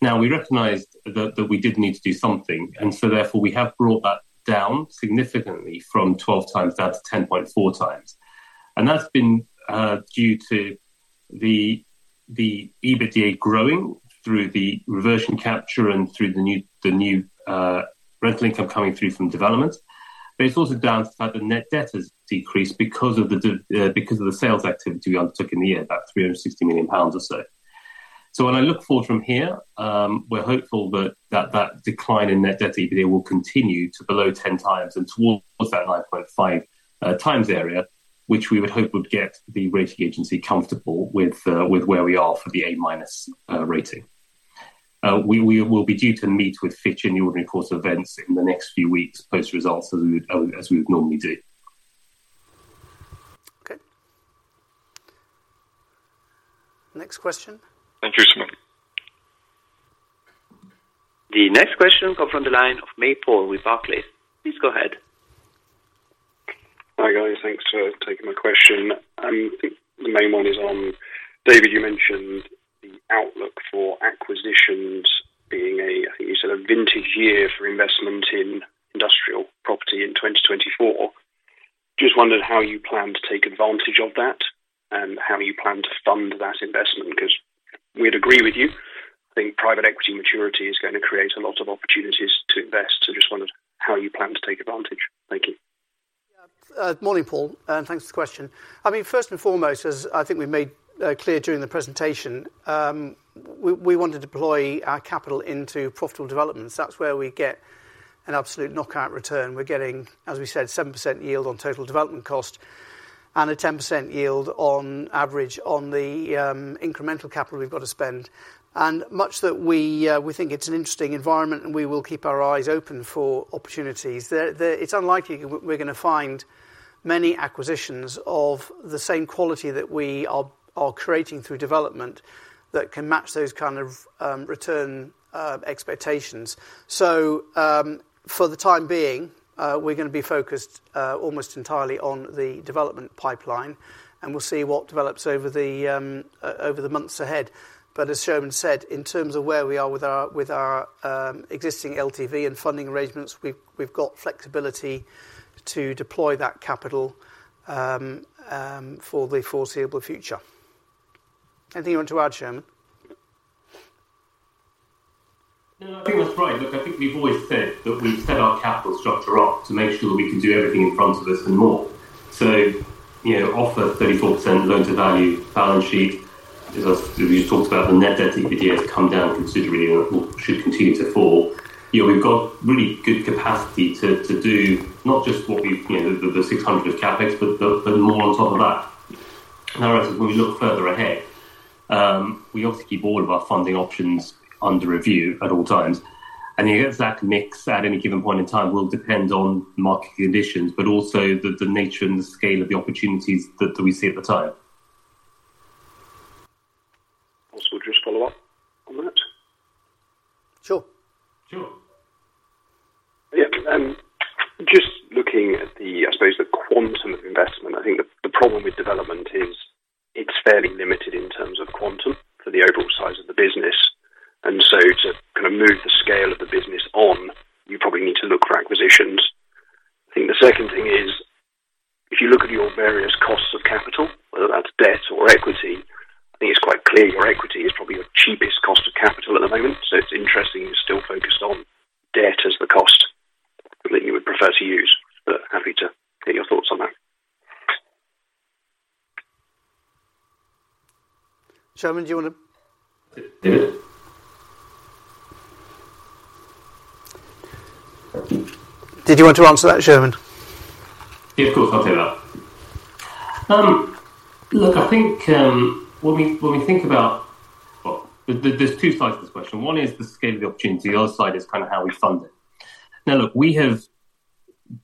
B: Now, we recognized that we did need to do something. So therefore, we have brought that down significantly from 12x down to 10.4x. That's been due to the EBITDA growing through the reversion capture and through the new rental income coming through from development. But it's also down to the fact that net debt has decreased because of the sales activity we undertook in the year, about 360 million pounds or so. So when I look forward from here, we're hopeful that that decline in net debt to EBITDA will continue to below 10x and towards that 9.5x area, which we would hope would get the rating agency comfortable with where we are for the A-minus rating. We will be due to meet with Fitch in the ordinary course of events in the next few weeks post-results, as we would normally do.
A: Okay. Next question.
I: Thank you, Soumen.
H: The next question comes from the line of Paul May with Barclays. Please go ahead.
J: Hi, guys. Thanks for taking my question. I think the main one is on David. You mentioned the outlook for acquisitions being a, I think you said, a vintage year for investment in industrial property in 2024. Just wondered how you plan to take advantage of that and how you plan to fund that investment, because we'd agree with you. I think private equity maturity is going to create a lot of opportunities to invest. So just wondered how you plan to take advantage. Thank you.
A: Yeah. Morning, Paul. And thanks for the question. I mean, first and foremost, as I think we made clear during the presentation, we want to deploy our capital into profitable developments. That's where we get an absolute knockout return. We're getting, as we said, a seven percent yield on total development cost and a 10% yield on average on the incremental capital we've got to spend. And much as we think it's an interesting environment and we will keep our eyes open for opportunities. It's unlikely we're going to find many acquisitions of the same quality that we are creating through development that can match those kind of return expectations. So for the time being, we're going to be focused almost entirely on the development pipeline. And we'll see what develops over the months ahead. But as Soumen said, in terms of where we are with our existing LTV and funding arrangements, we've got flexibility to deploy that capital for the foreseeable future. Anything you want to add, Soumen?
B: No, I think that's right. Look, I think we've always said that we've set our capital structure up to make sure that we can do everything in front of us and more. So offer 34% loan-to-value balance sheet. As we just talked about, the net debt to EBITDA has come down considerably and should continue to fall. We've got really good capacity to do not just what we've the 600 million of CapEx, but more on top of that. Now, whereas when we look further ahead, we obviously keep all of our funding options under review at all times. And the exact mix at any given point in time will depend on market conditions, but also the nature and the scale of the opportunities that we see at the time.
J: Obviously, we'll just follow up on that.
A: Sure.
B: Sure.
J: Yeah. Just looking at, I suppose, the quantum of investment, I think the problem with development is it's fairly limited in terms of quantum for the overall size of the business. And so to kind of move the scale of the business on, you probably need to look for acquisitions. I think the second thing is if you look at your various costs of capital, whether that's debt or equity, I think it's quite clear your equity is probably your cheapest cost of capital at the moment. So it's interesting you're still focused on debt as the cost that you would prefer to use. But happy to get your thoughts on that.
A: Soumen, do you want to?
B: David?
A: Did you want to answer that, Soumen?
B: Yeah, of course, I'll take that. Look, I think when we think about well, there's two sides to this question. One is the scale of the opportunity. The other side is kind of how we fund it. Now, look, we have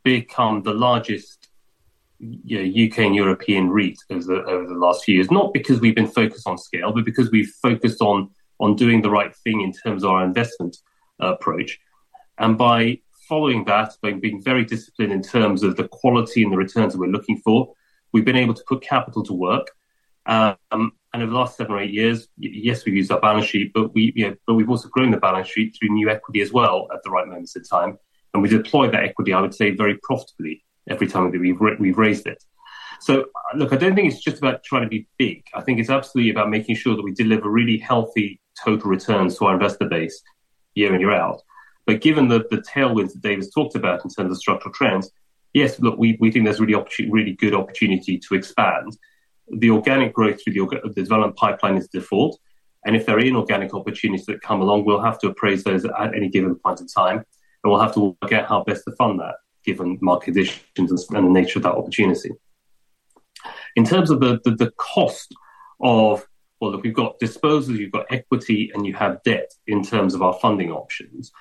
B: become the largest U.K. and European REIT over the last few years, not because we've been focused on scale, but because we've focused on doing the right thing in terms of our investment approach. And by following that, by being very disciplined in terms of the quality and the returns that we're looking for, we've been able to put capital to work. And over the last seven or eight years, yes, we've used our balance sheet, but we've also grown the balance sheet through new equity as well at the right moments in time. And we deploy that equity, I would say, very profitably every time that we've raised it. So look, I don't think it's just about trying to be big. I think it's absolutely about making sure that we deliver really healthy total returns to our investor base year in, year out. But given the tailwinds that David's talked about in terms of structural trends, yes, look, we think there's really good opportunity to expand. The organic growth through the development pipeline is default. And if there are inorganic opportunities that come along, we'll have to appraise those at any given point in time. And we'll have to work out how best to fund that given market conditions and the nature of that opportunity. In terms of the cost of, well, look, we've got disposals, you've got equity, and you have debt in terms of our funding options.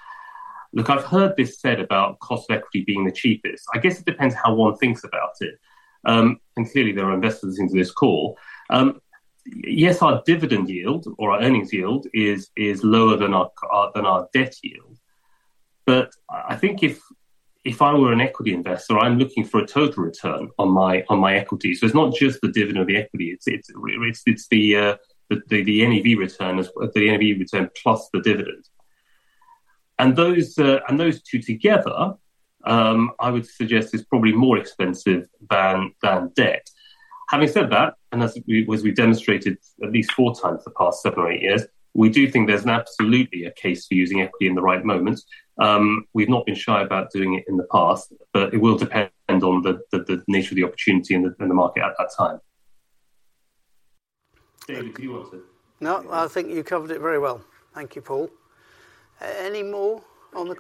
B: Look, I've heard this said about cost of equity being the cheapest. I guess it depends how one thinks about it. And clearly, there are investors into this call. Yes, our dividend yield or our earnings yield is lower than our debt yield. But I think if I were an equity investor, I'm looking for a total return on my equity. So it's not just the dividend or the equity. It's the NAV return, the NAV return plus the dividend. And those two together, I would suggest, is probably more expensive than debt. Having said that, and as we've demonstrated at least four times the past seven or eight years, we do think there's absolutely a case for using equity in the right moments. We've not been shy about doing it in the past, but it will depend on the nature of the opportunity and the market at that time. David, did you want to?
A: No, I think you covered it very well. Thank you, Paul. Any more on the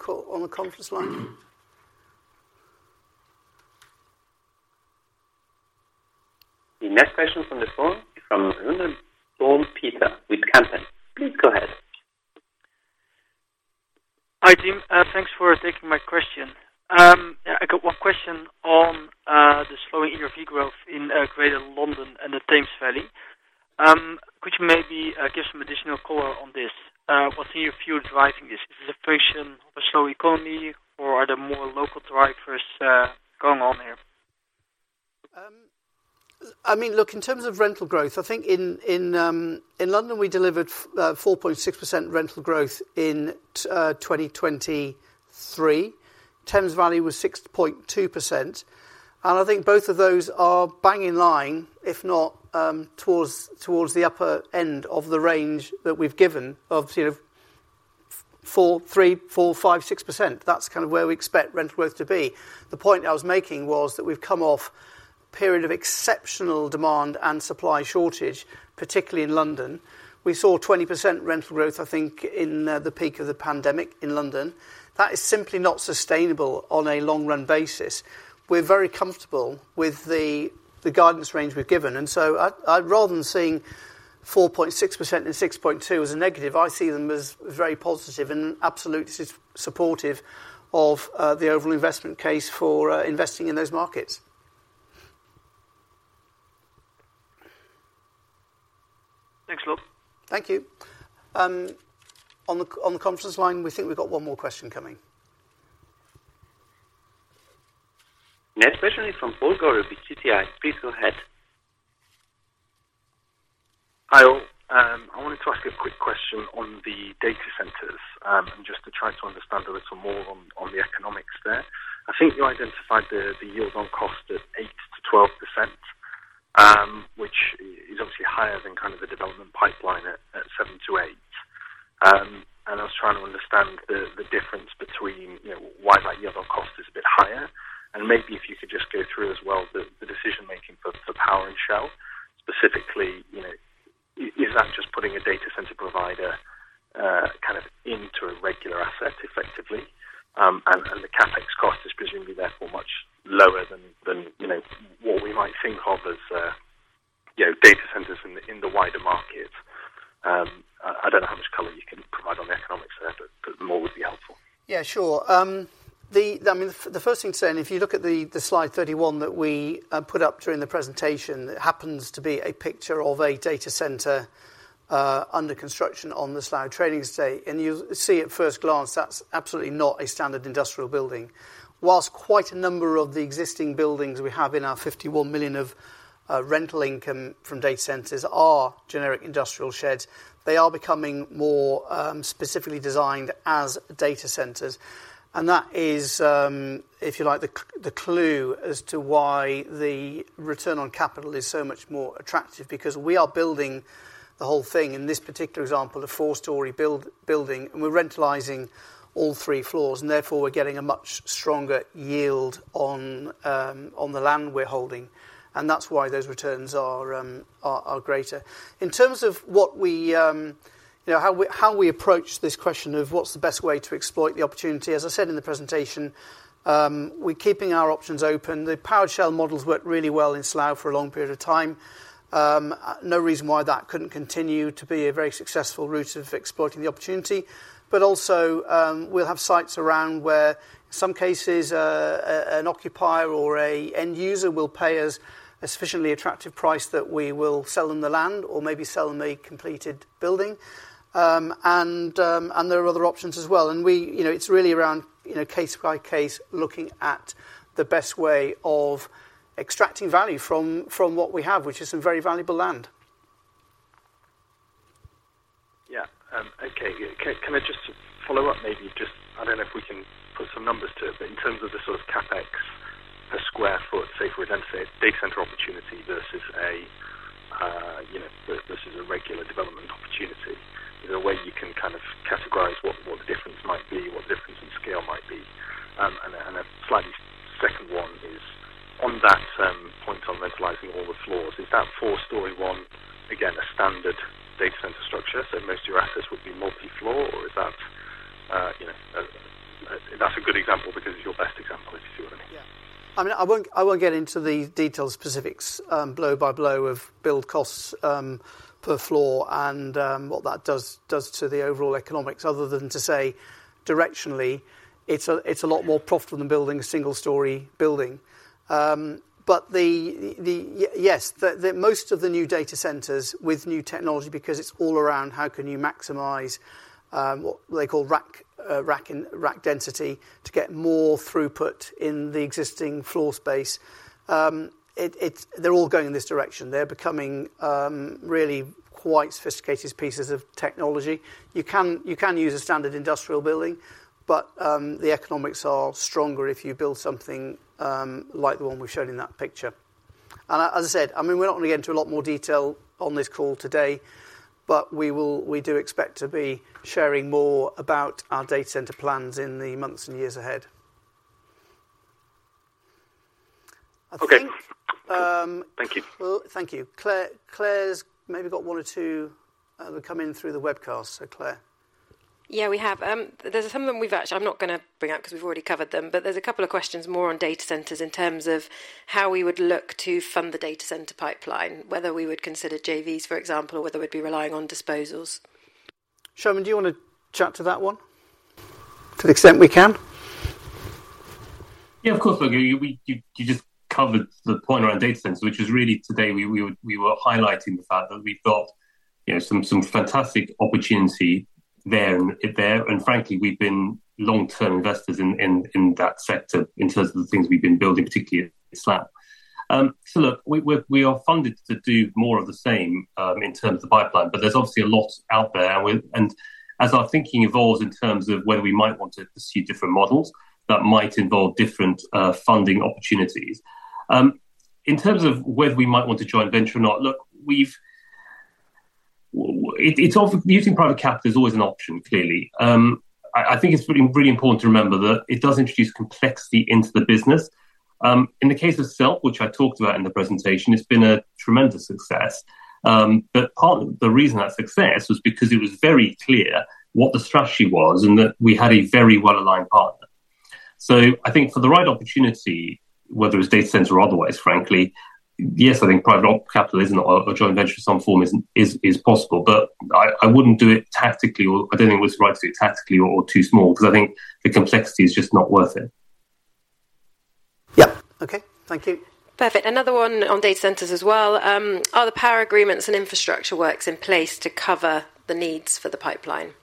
A: conference line?
H: The next question from the phone is from Pieter Runneboom with Kempen. Please go ahead.
K: Hi, team. Thanks for taking my question. I got one question on the slowing in your ERV growth in Greater London and the Thames Valley. Could you maybe give some additional color on this? What's in your view driving this? Is this a function of a slow economy, or are there more local drivers going on here?
A: I mean, look, in terms of rental growth, I think in London, we delivered 4.6% rental growth in 2023. Thames Valley was 6.2%. I think both of those are bang in line, if not towards the upper end of the range that we've given of three to six percent. That's kind of where we expect rental growth to be. The point I was making was that we've come off a period of exceptional demand and supply shortage, particularly in London. We saw 20% rental growth, I think, in the peak of the pandemic in London. That is simply not sustainable on a long-run basis. We're very comfortable with the guidance range we've given. So rather than seeing 4.6% and 6.2% as a negative, I see them as very positive and absolutely supportive of the overall investment case for investing in those markets.
K: Thanks a lot.
A: Thank you. On the conference line, we think we've got one more question coming.
H: Next question is from Paul Gore with BTI. Please go ahead.
L: Hi. I wanted to ask a quick question on the data centers and just to try to understand a little more on the economics there. I think you identified the yield on cost at eight to 12%, which is obviously higher than kind of the development pipeline at seven to eight percent. And I was trying to understand the difference between why that yield on cost is a bit higher. And maybe if you could just go through as well the decision-making for powered shell, specifically, is that just putting a data center provider kind of into a regular asset effectively? And the CapEx cost is presumably therefore much lower than what we might think of as data centers in the wider markets. I don't know how much color you can provide on the economics there, but more would be helpful.
A: Yeah, sure. I mean, the first thing to say, and if you look at the slide 31 that we put up during the presentation, it happens to be a picture of a data centre under construction on the Slough Trading Estate. And you'll see at first glance that's absolutely not a standard industrial building. Whilst quite a number of the existing buildings we have in our 51 million of rental income from data centres are generic industrial sheds, they are becoming more specifically designed as data centres. And that is, if you like, the clue as to why the return on capital is so much more attractive because we are building the whole thing. In this particular example, a four-story building, and we're rentalising all three floors. And therefore, we're getting a much stronger yield on the land we're holding. And that's why those returns are greater. In terms of how we approach this question of what's the best way to exploit the opportunity, as I said in the presentation, we're keeping our options open. The powered shell models worked really well in Slough for a long period of time. No reason why that couldn't continue to be a very successful route of exploiting the opportunity. But also, we'll have sites around where, in some cases, an occupier or an end user will pay us a sufficiently attractive price that we will sell them the land or maybe sell them a completed building. And there are other options as well. And it's really around case-by-case looking at the best way of extracting value from what we have, which is some very valuable land.
L: Yeah. Okay. Can I just follow up maybe? I don't know if we can put some numbers to it. But in terms of the sort of CapEx per square foot, say, for a data centre opportunity versus a regular development opportunity, is there a way you can kind of categorise what the difference might be, what the difference in scale might be? And a slight second one is on that point on rentalising all the floors, is that four-story one, again, a standard data centre structure? So most of your assets would be multi-floor, or is that a good example because it's your best example, if you see what I mean.
A: Yeah. I mean, I won't get into the detailed specifics blow by blow of build costs per floor and what that does to the overall economics other than to say directionally, it's a lot more profitable than building a single-story building. But yes, most of the new data centers with new technology, because it's all around how can you maximize what they call rack density to get more throughput in the existing floor space, they're all going in this direction. They're becoming really quite sophisticated pieces of technology. You can use a standard industrial building, but the economics are stronger if you build something like the one we've shown in that picture. As I said, I mean, we're not going to get into a lot more detail on this call today, but we do expect to be sharing more about our data centre plans in the months and years ahead. I think.
L: Okay. Thank you.
A: Well, thank you. Claire's maybe got one or two that have come in through the webcast. So, Claire.
M: Yeah, we have. There's some that we've actually I'm not going to bring out because we've already covered them. But there's a couple of questions more on data centers in terms of how we would look to fund the data center pipeline, whether we would consider JVs, for example, or whether we'd be relying on disposals.
A: Soumen, do you want to chat to that one? To the extent we can.
B: Yeah, of course we can. You just covered the point around data centers, which is really today we were highlighting the fact that we've got some fantastic opportunity there. And frankly, we've been long-term investors in that sector in terms of the things we've been building, particularly at Slough. So look, we are funded to do more of the same in terms of the pipeline. But there's obviously a lot out there. And as our thinking evolves in terms of whether we might want to pursue different models, that might involve different funding opportunities. In terms of whether we might want to joint venture or not, look, it's obviously using private capital is always an option, clearly. I think it's really important to remember that it does introduce complexity into the business. In the case of Slough, which I talked about in the presentation, it's been a tremendous success. Part of the reason that success was because it was very clear what the strategy was and that we had a very well-aligned partner. I think for the right opportunity, whether it's data center or otherwise, frankly, yes, I think private capital or joint venture in some form is possible. I wouldn't do it tactically, or I don't think it's right to do it tactically or too small because I think the complexity is just not worth it.
A: Yeah. Okay. Thank you.
M: Perfect. Another one on data centers as well. Are the power agreements and infrastructure works in place to cover the needs for the pipeline?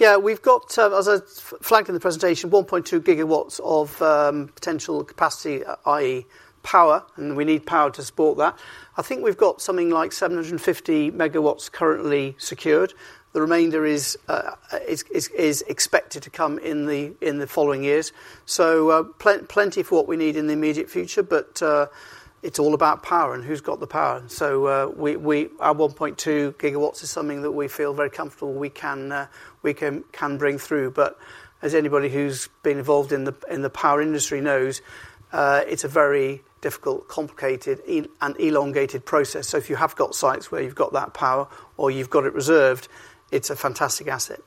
A: Yeah, we've got, as I flagged in the presentation, 1.2 GW of potential capacity, i.e., power. And we need power to support that. I think we've got something like 750 MW currently secured. The remainder is expected to come in the following years. So plenty for what we need in the immediate future. But it's all about power and who's got the power. So our 1.2 GW is something that we feel very comfortable we can bring through. But as anybody who's been involved in the power industry knows, it's a very difficult, complicated, and elongated process. So if you have got sites where you've got that power or you've got it reserved, it's a fantastic asset.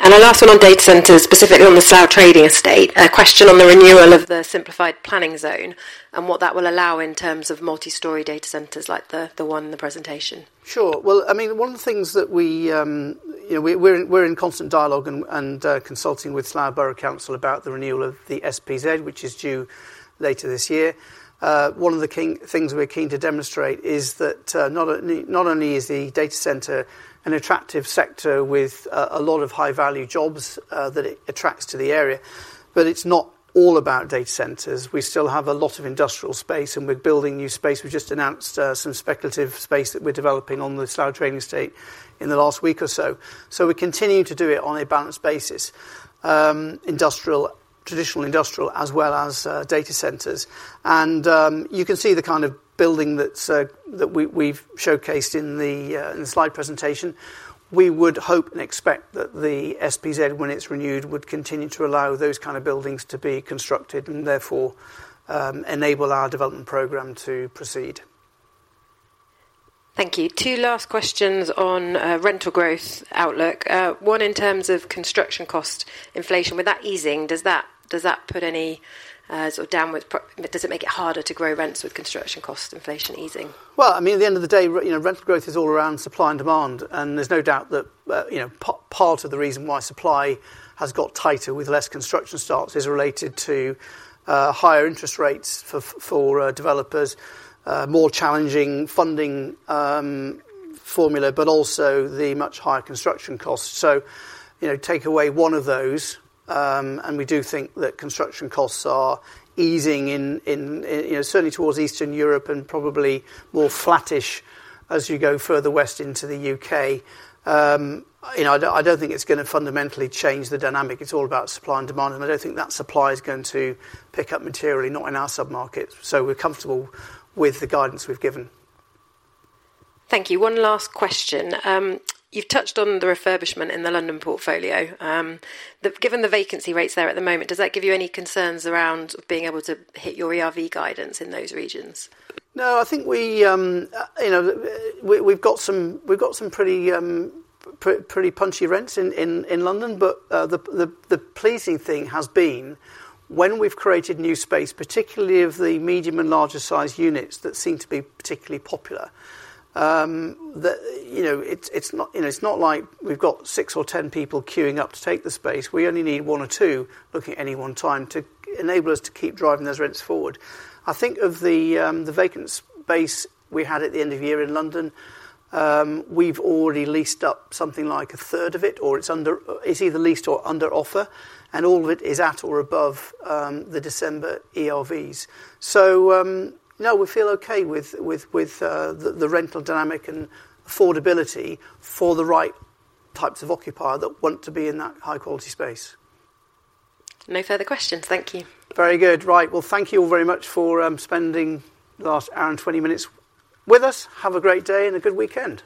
M: A last one on data centers, specifically on the Slough Trading Estate, a question on the renewal of the Simplified Planning Zone and what that will allow in terms of multi-story data centers like the one in the presentation.
A: Sure. Well, I mean, one of the things that we're in constant dialogue and consulting with Slough Borough Council about the renewal of the SPZ, which is due later this year. One of the things we're keen to demonstrate is that not only is the data center an attractive sector with a lot of high-value jobs that it attracts to the area, but it's not all about data centers. We still have a lot of industrial space, and we're building new space. We've just announced some speculative space that we're developing on the Slough Trading Estate in the last week or so. So we continue to do it on a balanced basis, traditional industrial as well as data centers. And you can see the kind of building that we've showcased in the slide presentation. We would hope and expect that the SPZ, when it's renewed, would continue to allow those kind of buildings to be constructed and therefore enable our development program to proceed.
M: Thank you. Two last questions on rental growth outlook. One in terms of construction cost inflation. With that easing, does it make it harder to grow rents with construction cost inflation easing?
A: Well, I mean, at the end of the day, rental growth is all around supply and demand. There's no doubt that part of the reason why supply has got tighter with less construction starts is related to higher interest rates for developers, more challenging funding formula, but also the much higher construction costs. Take away one of those. We do think that construction costs are easing certainly towards Eastern Europe and probably more flattish as you go further west into the U.K.. I don't think it's going to fundamentally change the dynamic. It's all about supply and demand. I don't think that supply is going to pick up materially, not in our submarkets. We're comfortable with the guidance we've given.
M: Thank you. One last question. You've touched on the refurbishment in the London portfolio. Given the vacancy rates there at the moment, does that give you any concerns around being able to hit your ERV guidance in those regions?
A: No, I think we've got some pretty punchy rents in London. But the pleasing thing has been when we've created new space, particularly of the medium and larger-sized units that seem to be particularly popular, that it's not like we've got six or 10 people queuing up to take the space. We only need one or two looking at any one time to enable us to keep driving those rents forward. I think of the vacant space we had at the end of year in London, we've already leased up something like a third of it, or it's either leased or under offer. And all of it is at or above the December ERVs. So no, we feel okay with the rental dynamic and affordability for the right types of occupier that want to be in that high-quality space.
M: No further questions. Thank you.
A: Very good. Right. Well, thank you all very much for spending the last hour and 20 minutes with us. Have a great day and a good weekend.